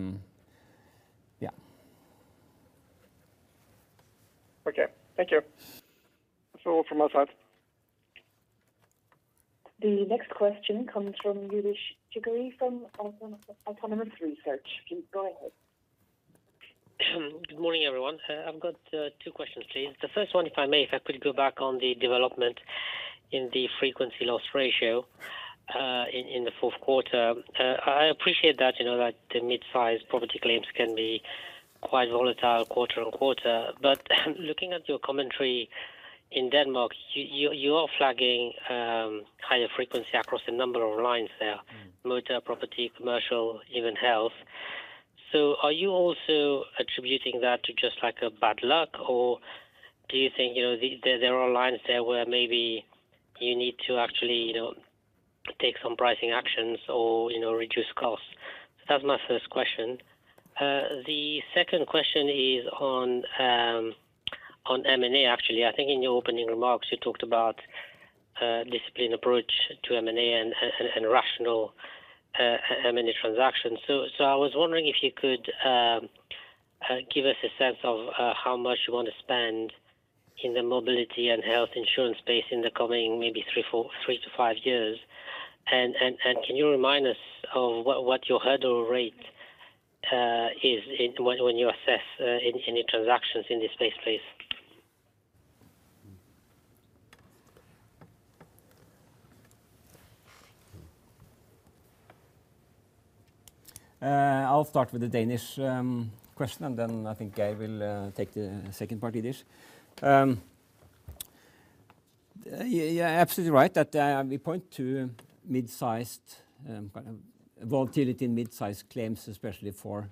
Okay. Thank you. That's all from my side. The next question comes from Youdish Chicooree from Autonomous Research. Please go ahead. Good morning, everyone. I've got two questions, please. The first one, if I may, if I could go back on the development in the frequency loss ratio in the fourth quarter. I appreciate that, you know, that the mid-size property claims can be quite volatile quarter on quarter. Looking at your commentary in Denmark, you, you are flagging higher frequency across a number of lines there, motor, property, commercial, even health. Are you also attributing that to just like a bad luck? Do you think, you know, there are lines there where maybe you need to actually, you know, take some pricing actions or, you know, reduce costs? That's my first question. The second question is on M&A, actually. I think in your opening remarks, you talked about disciplined approach to M&A and rational M&A transactions. I was wondering if you could give us a sense of how much you want to spend in the mobility and health insurance space in the coming maybe three, four, three to five years. Can you remind us of what your hurdle rate is in when you assess any transactions in this space, please? I'll start with the Danish question. I think Geir will take the second part, Yildiz. Yeah, absolutely right that we point to mid-sized kind of volatility in mid-sized claims, especially for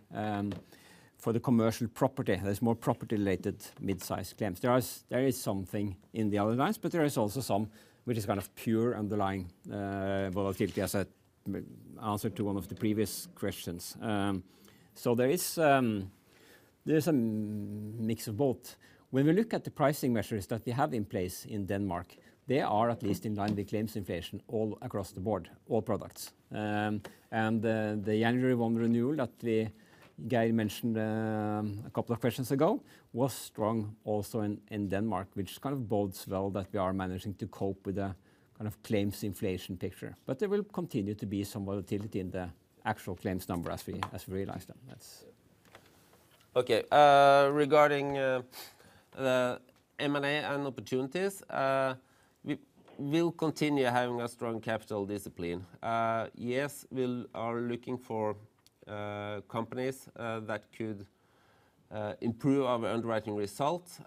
the commercial property. There's more property related mid-sized claims. There is something in the other ones, but there is also some which is kind of pure underlying volatility, as I answered to one of the previous questions. There is a mix of both. When we look at the pricing measures that we have in place in Denmark, they are at least in line with claims inflation all across the board, all products. The January 1 renewal that Geir mentioned, a couple of questions ago, was strong also in Denmark, which kind of bodes well that we are managing to cope with the kind of claims inflation picture. There will continue to be some volatility in the actual claims number as we realize them. That's... Okay. Regarding the M&A and opportunities, we will continue having a strong capital discipline. Yes, we are looking for companies that could improve our underwriting results.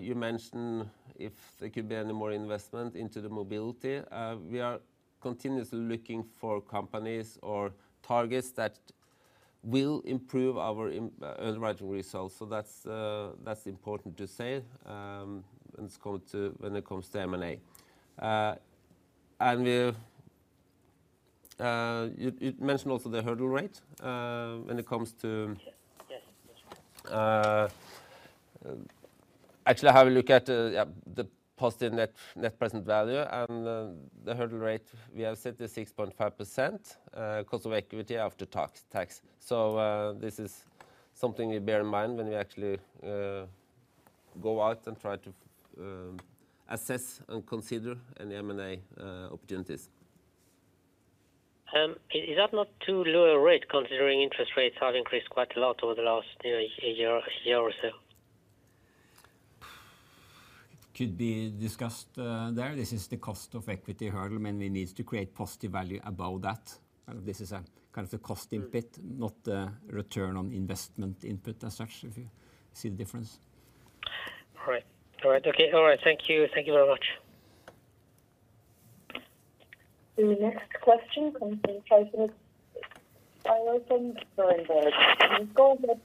You mentioned if there could be any more investment into the mobility. We are continuously looking for companies or targets that will improve our underwriting results. That's important to say, when it comes to M&A. We've... You mentioned also the hurdle rate, when it comes to- Yes. Yes. That's right. actually have a look at, yeah, the positive net present value and the hurdle rate we have set is 6.5% cost of equity after tax. This is something we bear in mind when we actually go out and try to assess and consider any M&A opportunities. Is that not too low a rate, considering interest rates have increased quite a lot over the last, you know, a year or so? Could be discussed there. This is the cost of equity hurdle, and we need to create positive value above that. This is kind of the cost input, not the return on investment input as such, if you see the difference. All right. All right. Okay. All right. Thank you. Thank you very much. The next question comes from Tyson from Berenberg. Go ahead.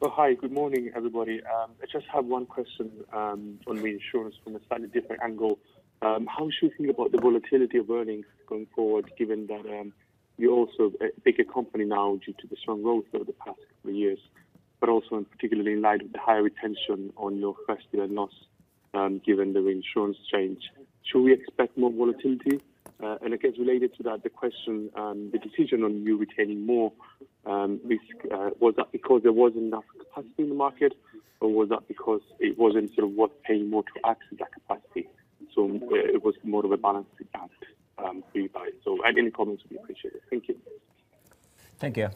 Oh, hi. Good morning, everybody. I just have one question, on the insurance from a slightly different angle. How should we think about the volatility of earnings going forward, given that, you're also a bigger company now due to the strong growth over the past couple of years, but also in particularly in light of the higher retention on your first year loss, given the reinsurance change. Should we expect more volatility? I guess related to that, the question, the decision on you retaining more risk, was that because there wasn't enough capacity in the market, or was that because it wasn't sort of worth paying more to access that capacity? It was more of a balance against, the buy. Any comments would be appreciated. Thank you. Thank you.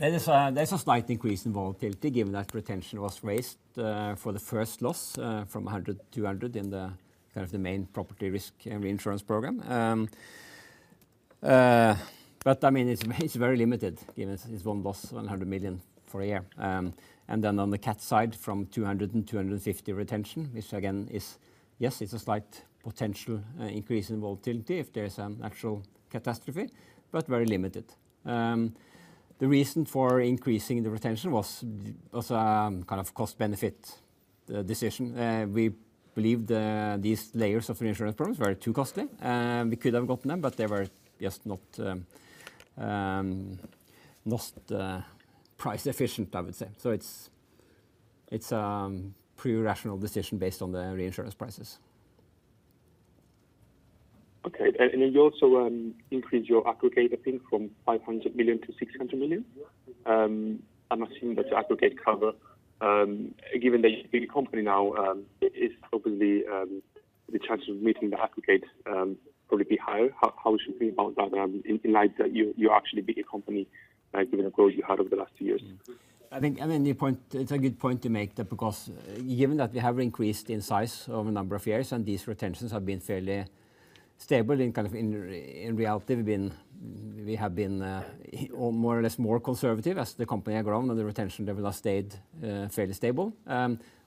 There's a slight increase in volatility given that retention was raised for the first loss from 100, 200 in the kind of the main property risk and reinsurance program. I mean, it's very limited, given it's one loss, 100 million for a year. On the cat side from 200 and 250 retention, which again is, yes, it's a slight potential increase in volatility if there's an actual catastrophe, but very limited. The reason for increasing the retention was kind of cost benefit, the decision. We believe these layers of reinsurance programs were too costly. We could have gotten them, but they were just not price efficient, I would say. It's pretty rational decision based on the reinsurance prices. Okay. You also increased your aggregate, I think, from 500 million-600 million. I'm assuming that's aggregate cover. Given that you're a bigger company now, is probably the chance of meeting the aggregate, probably be higher. How should we think about that in light that you're actually bigger company, given the growth you had over the last few years? The point, it's a good point to make that because given that we have increased in size over a number of years, and these retentions have been fairly stable in kind of in reality, we have been more or less more conservative as the company have grown, and the retention level has stayed fairly stable.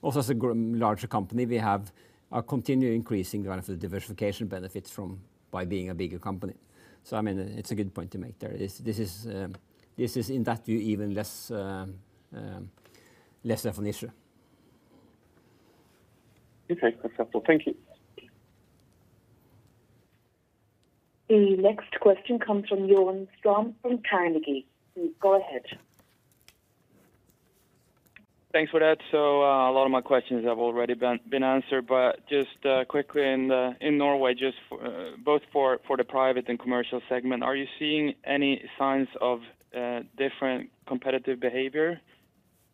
Also as a larger company, we have a continuing increasing kind of the diversification benefits from by being a bigger company. I mean, it's a good point to make there. This is in that view, even less less of an issue. Okay. That's helpful. Thank you. The next question comes from Johan Ström from Carnegie. Go ahead. Thanks for that. A lot of my questions have already been answered. Just quickly in Norway, just both for the private and commercial segment, are you seeing any signs of different competitive behavior?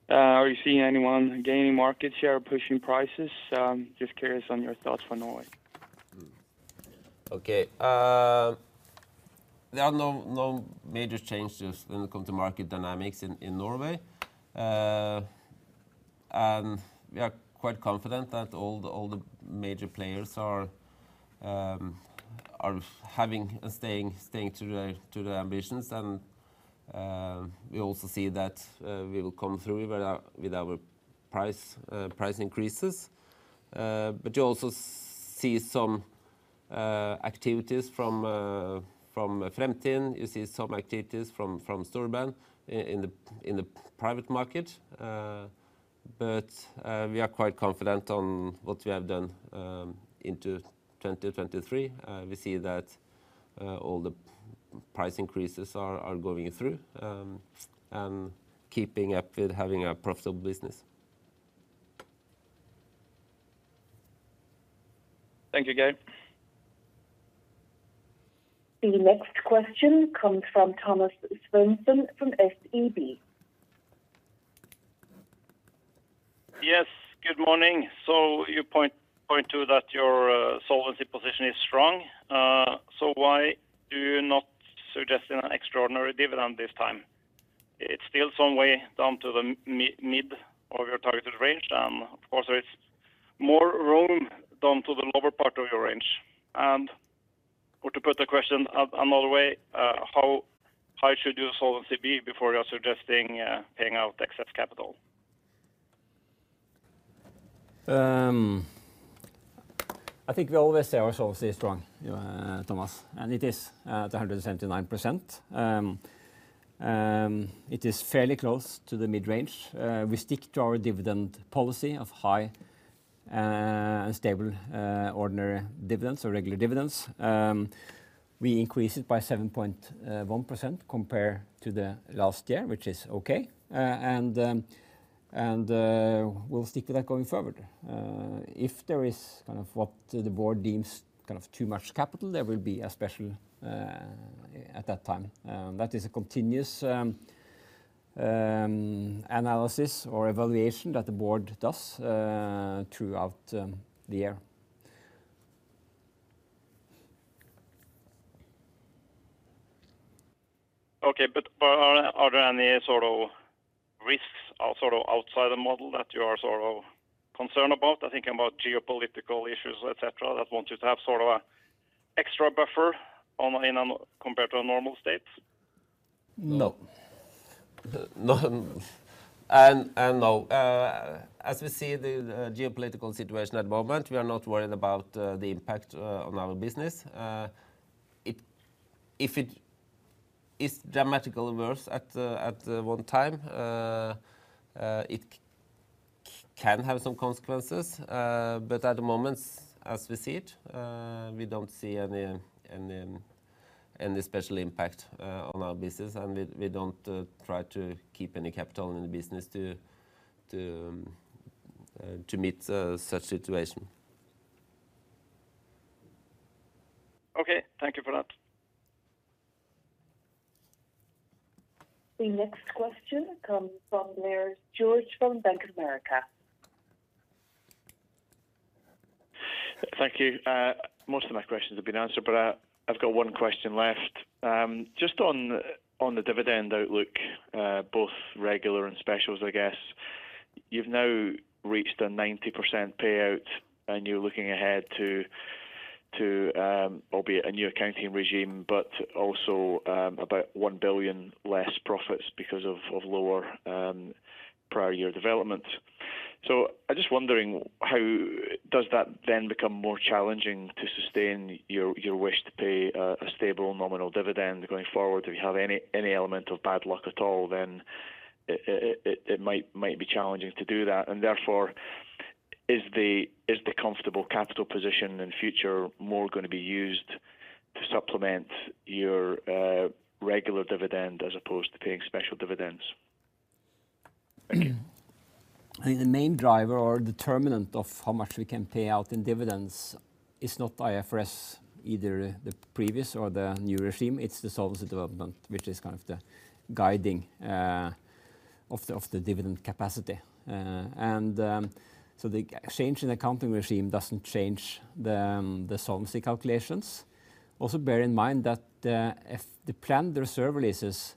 Are you seeing anyone gaining market share or pushing prices? Just curious on your thoughts for Norway. Okay. There are no major changes when it comes to market dynamics in Norway. We are quite confident that all the major players are, are having and staying to the, to the ambitions. We also see that we will come through with our price increases. You also see some activities from Fremtind. You see some activities from Storebrand in the private market. We are quite confident on what we have done into 2023. We see that all the price increases are going through and keeping up with having a profitable business. Thank you, Geir. The next question comes from Thomas Svendsen from SEB. Yes, good morning. You point to that your solvency position is strong. So why do you not suggesting an extraordinary dividend this time? It's still some way down to the mid of your targeted range, and of course, there is more room down to the lower part of your range. Or to put the question another way, how high should your solvency be before you're suggesting paying out excess capital? I think we always say our solvency is strong, you, Thomas, it is at 179%. It is fairly close to the mid-range. We stick to our dividend policy of high and stable ordinary dividends or regular dividends. We increase it by 7.1% compared to the last year, which is okay. We'll stick to that going forward. If there is kind of what the board deems kind of too much capital, there will be a special at that time. That is a continuous analysis or evaluation that the board does throughout the year. Okay. Are there any sort of risks or sort of outside the model that you are sort of concerned about? I think about geopolitical issues, et cetera, that want you to have sort of a extra buffer on, in a, compared to a normal state. No. No. No. As we see the geopolitical situation at the moment, we are not worried about the impact on our business. If it is dramatically worse at the one time, it can have some consequences. At the moment, as we see it, we don't see any special impact on our business, and we don't try to keep any capital in the business to meet such situation. Okay, thank you for that. The next question comes from Lorisa Ylli from Bank of America. Thank you. Most of my questions have been answered, but I've got one question left. Just on the dividend outlook, both regular and specials, I guess. You've now reached a 90% payout, and you're looking ahead to, albeit a new accounting regime, but also, about 1 billion less profits because of lower prior year development. I'm just wondering, how does that then become more challenging to sustain your wish to pay a stable nominal dividend going forward? If you have any element of bad luck at all, then it might be challenging to do that. Therefore, is the comfortable capital position in future more gonna be used to supplement your regular dividend as opposed to paying special dividends? The main driver or determinant of how much we can pay out in dividends is not IFRS, either the previous or the new regime. It's the solvency development, which is kind of the guiding of the dividend capacity. The change in accounting regime doesn't change the solvency calculations. Also, bear in mind that if the planned reserve releases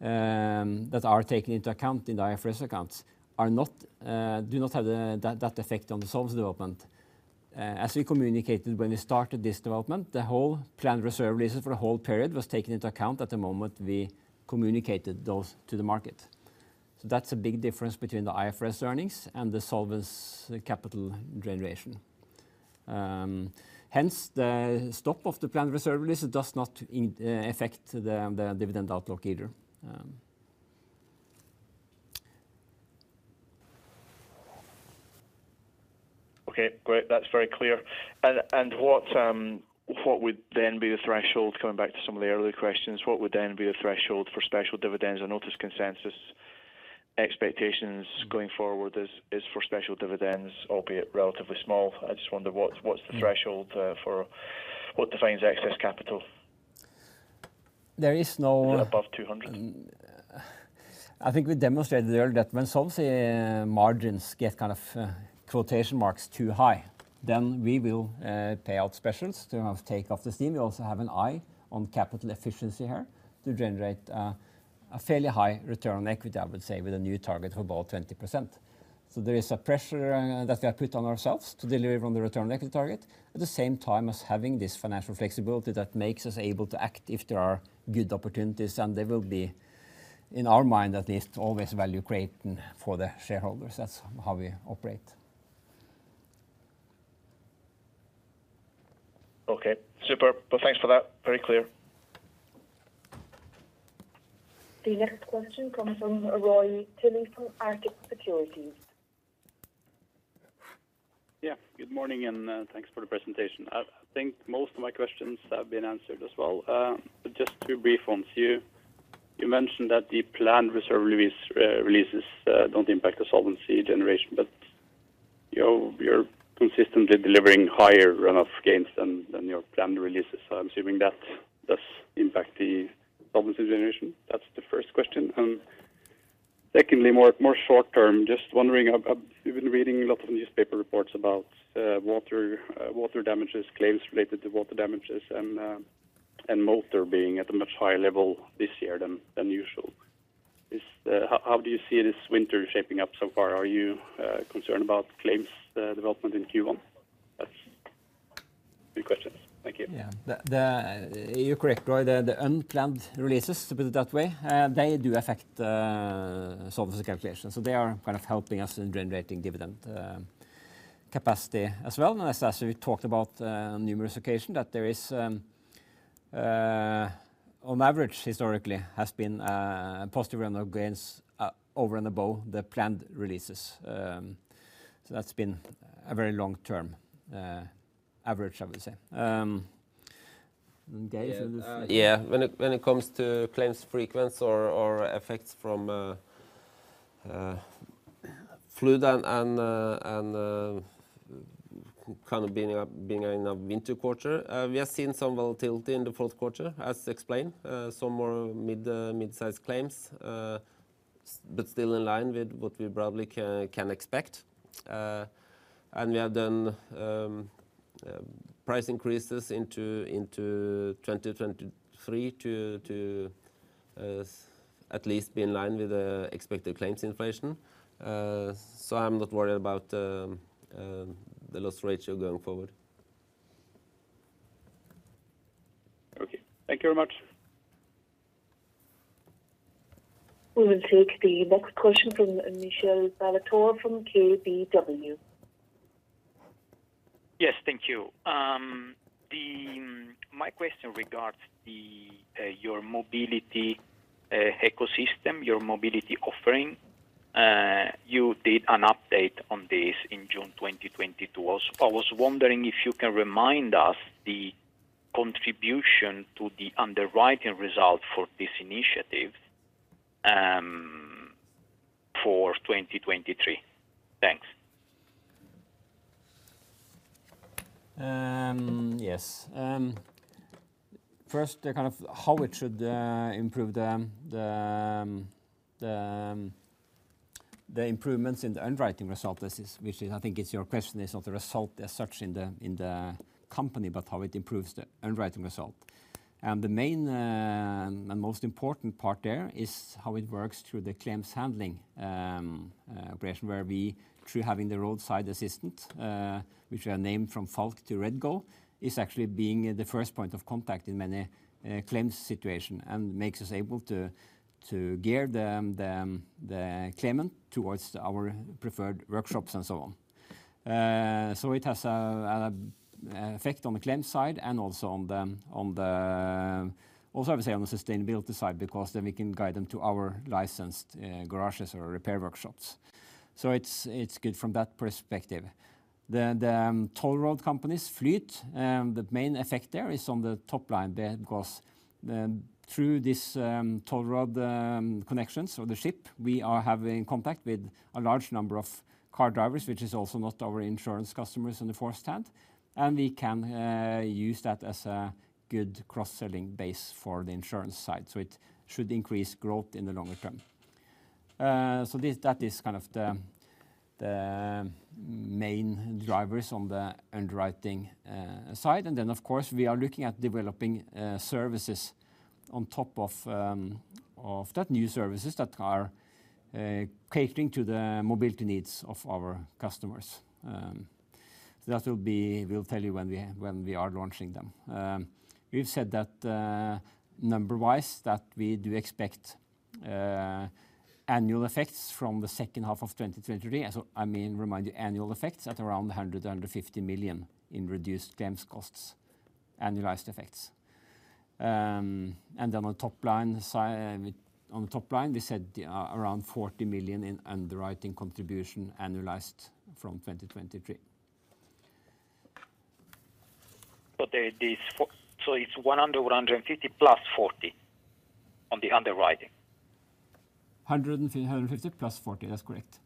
that are taken into account in the IFRS accounts are not do not have that effect on the solvency development. As we communicated when we started this development, the whole planned reserve releases for the whole period was taken into account at the moment we communicated those to the market. That's a big difference between the IFRS earnings and the solvency capital generation. Hence, the stop of the planned reserve releases does not affect the dividend outlook either. Okay, great. That's very clear. And, and what would then be the threshold, coming back to some of the earlier questions, what would then be the threshold for special dividends? I notice consensus expectations going forward is for special dividends, albeit relatively small. I just wonder what's the threshold for what defines excess capital? There is. Is it above 200? I think we demonstrated earlier that when solvency margins get kind of, quotation marks too high, then we will pay out specials to have take off the steam. We also have an eye on capital efficiency here to generate a fairly high return on equity, I would say, with a new target of about 20%. There is a pressure that we have put on ourselves to deliver on the return equity target, at the same time as having this financial flexibility that makes us able to act if there are good opportunities, and there will be, in our mind at least, always value-creating for the shareholders. That's how we operate. Okay, super. Well, thanks for that. Very clear. The next question comes from Roy Tilley from Arctic Securities. Yeah. Good morning, and thanks for the presentation. I think most of my questions have been answered as well. Just two brief ones here. You mentioned that the planned reserve release releases don't impact the solvency generation, but, you know, you're consistently delivering higher runoff gains than your planned releases. I'm assuming that does impact the solvency generation. That's the first question. Secondly, more short term, just wondering, I've been reading a lot of newspaper reports about water damages, claims related to water damages and motor being at a much higher level this year than usual. How do you see this winter shaping up so far? Are you concerned about claims development in Q1? That's three questions. Thank you. Yeah. You're correct, Roy. The unplanned releases, to put it that way, they do affect the solvency calculation, so they are kind of helping us in generating dividend capacity as well. As we talked about on numerous occasion, that there is, on average, historically, has been positive runoff gains over and above the planned releases. That's been a very long term average, I would say. Geir Yeah. When it comes to claims frequency or effects from flood and kind of being in a winter quarter, we have seen some volatility in the fourth quarter, as explained. Some more mid-sized claims, but still in line with what we probably can expect. We have done price increases into 2023 to at least be in line with the expected claims inflation. I'm not worried about the loss ratio going forward. Okay. Thank you very much. We will take the next question from Michele Ballatore from KBW. Yes. Thank you. My question regards your mobility ecosystem, your mobility offering. You did an update on this in June 2022 also. I was wondering if you can remind us the contribution to the underwriting result for this initiative, for 2023. Thanks. Yes. First, the kind of how it should improve the improvements in the underwriting result. Which is, I think is your question, is not the result as such in the company, but how it improves the underwriting result. The main and most important part there is how it works through the claims handling operation, where we, through having the roadside assistant, which we are named from Falck to REDGO, is actually being the first point of contact in many claims situation and makes us able to gear the claimant towards our preferred workshops and so on. So it has an effect on the claims side and also on the, also, I would say, on the sustainability side, because then we can guide them to our licensed garages or repair workshops. It's good from that perspective. The toll road companies fleet, the main effect there is on the top line there, because through this toll road connections or the ship, we are having contact with a large number of car drivers, which is also not our insurance customers in the first hand. We can use that as a good cross-selling base for the insurance side. It should increase growth in the longer term. This, that is kind of the main drivers on the underwriting side. Of course, we are looking at developing services on top of that, new services that are catering to the mobility needs of our customers. That will be, we'll tell you when we are launching them. We've said that, number wise, that we do expect annual effects from the second half of 2023. I mean, remind you, annual effects at around 150 million in reduced claims costs, annualized effects. On top line side, on top line, we said around 40 million in underwriting contribution annualized from 2023. It's 150+40 on the underwriting? 150+0. That's correct.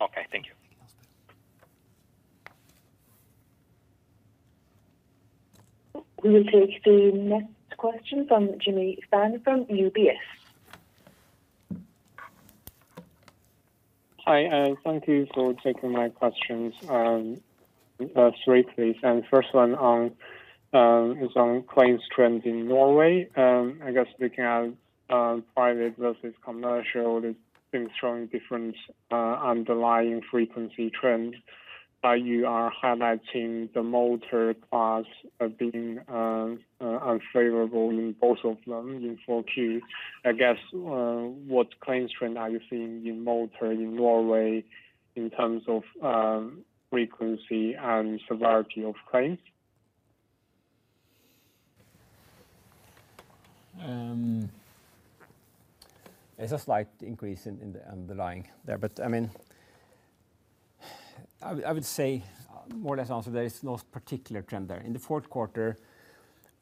Okay. Thank you. We will take the next question from Qian Lu from UBS. Hi, thank you for taking my questions, three please. First one on is on claims trends in Norway. I guess looking at private versus commercial, it's been showing different underlying frequency trends. You are highlighting the motor class of being unfavorable in both of them in 4Q. I guess, what claims trend are you seeing in motor in Norway in terms of frequency and severity of claims? There's a slight increase in the underlying there. I would say more or less answer there is no particular trend there. In the fourth quarter,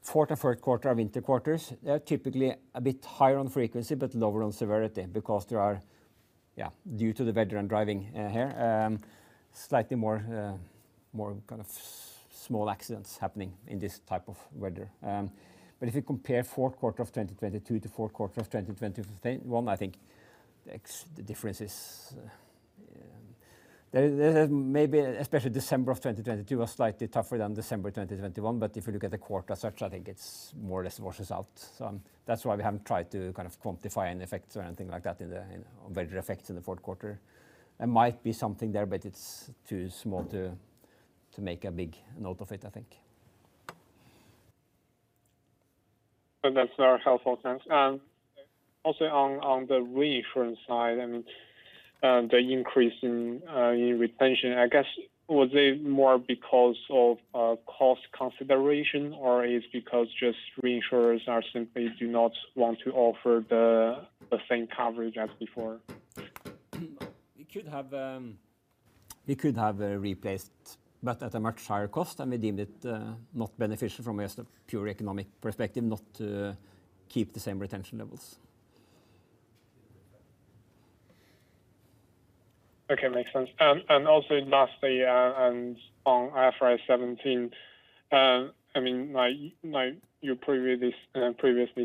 fourth and first quarter are winter quarters. They are typically a bit higher on frequency but lower on severity because there are due to the weather and driving here, slightly more kind of small accidents happening in this type of weather. If you compare fourth quarter of 2022 to fourth quarter of 2021, I think the difference is there, maybe especially December of 2022 was slightly tougher than December of 2021. If you look at the quarter as such, I think it's more or less washes out. That's why we haven't tried to kind of quantify any effects or anything like that in the, you know, weather effects in the fourth quarter. There might be something there, but it's too small to make a big note of it, I think. That's very helpful, thanks. Also on the reinsurance side and, the increase in retention, I guess was it more because of cost consideration or is because just reinsurers are simply do not want to offer the same coverage as before? We could have replaced, but at a much higher cost, and we deemed it not beneficial from just a pure economic perspective not to keep the same retention levels. Okay. Makes sense. Also lastly, on IFRS 17, I mean, like you previously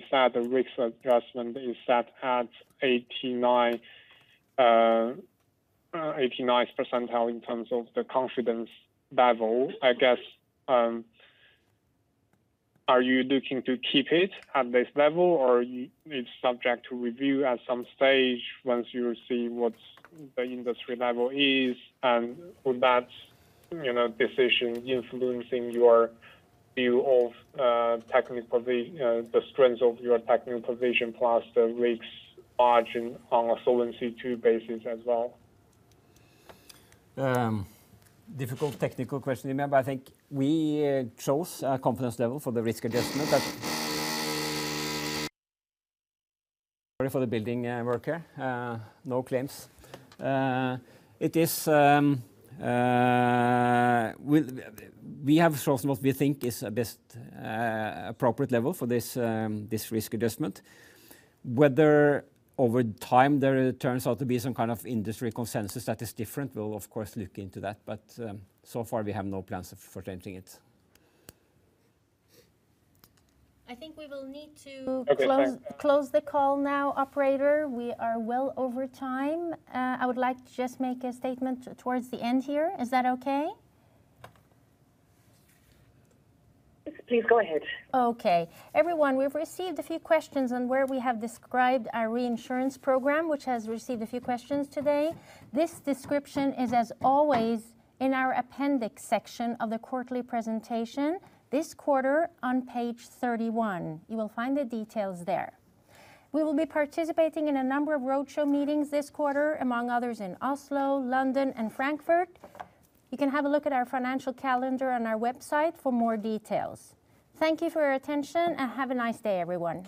said, the risk adjustment is set at 89, 89th percentile in terms of the confidence level. I guess, are you looking to keep it at this level, or it's subject to review at some stage once you see what's the industry level is? Would that, you know, decision influencing your view of technical the strengths of your technical provision plus the risk margin on a Solvency II basis as well? Difficult technical question, Jimmy, but I think we chose a confidence level for the risk adjustment that for the building worker. No claims. We have what we think is a best appropriate level for this risk adjustment. Whether over time there turns out to be some kind of industry consensus that is different, we'll of course look into that, but so far we have no plans for changing it. I think we will need to. Okay, thanks. Close the call now, operator. We are well over time. I would like to just make a statement towards the end here. Is that okay? Please go ahead. Okay. Everyone, we've received a few questions on where we have described our reinsurance program, which has received a few questions today. This description is, as always, in our appendix section of the quarterly presentation. This quarter on page 31. You will find the details there. We will be participating in a number of roadshow meetings this quarter, among others in Oslo, London, and Frankfurt. You can have a look at our financial calendar on our website for more details. Thank you for your attention, and have a nice day, everyone.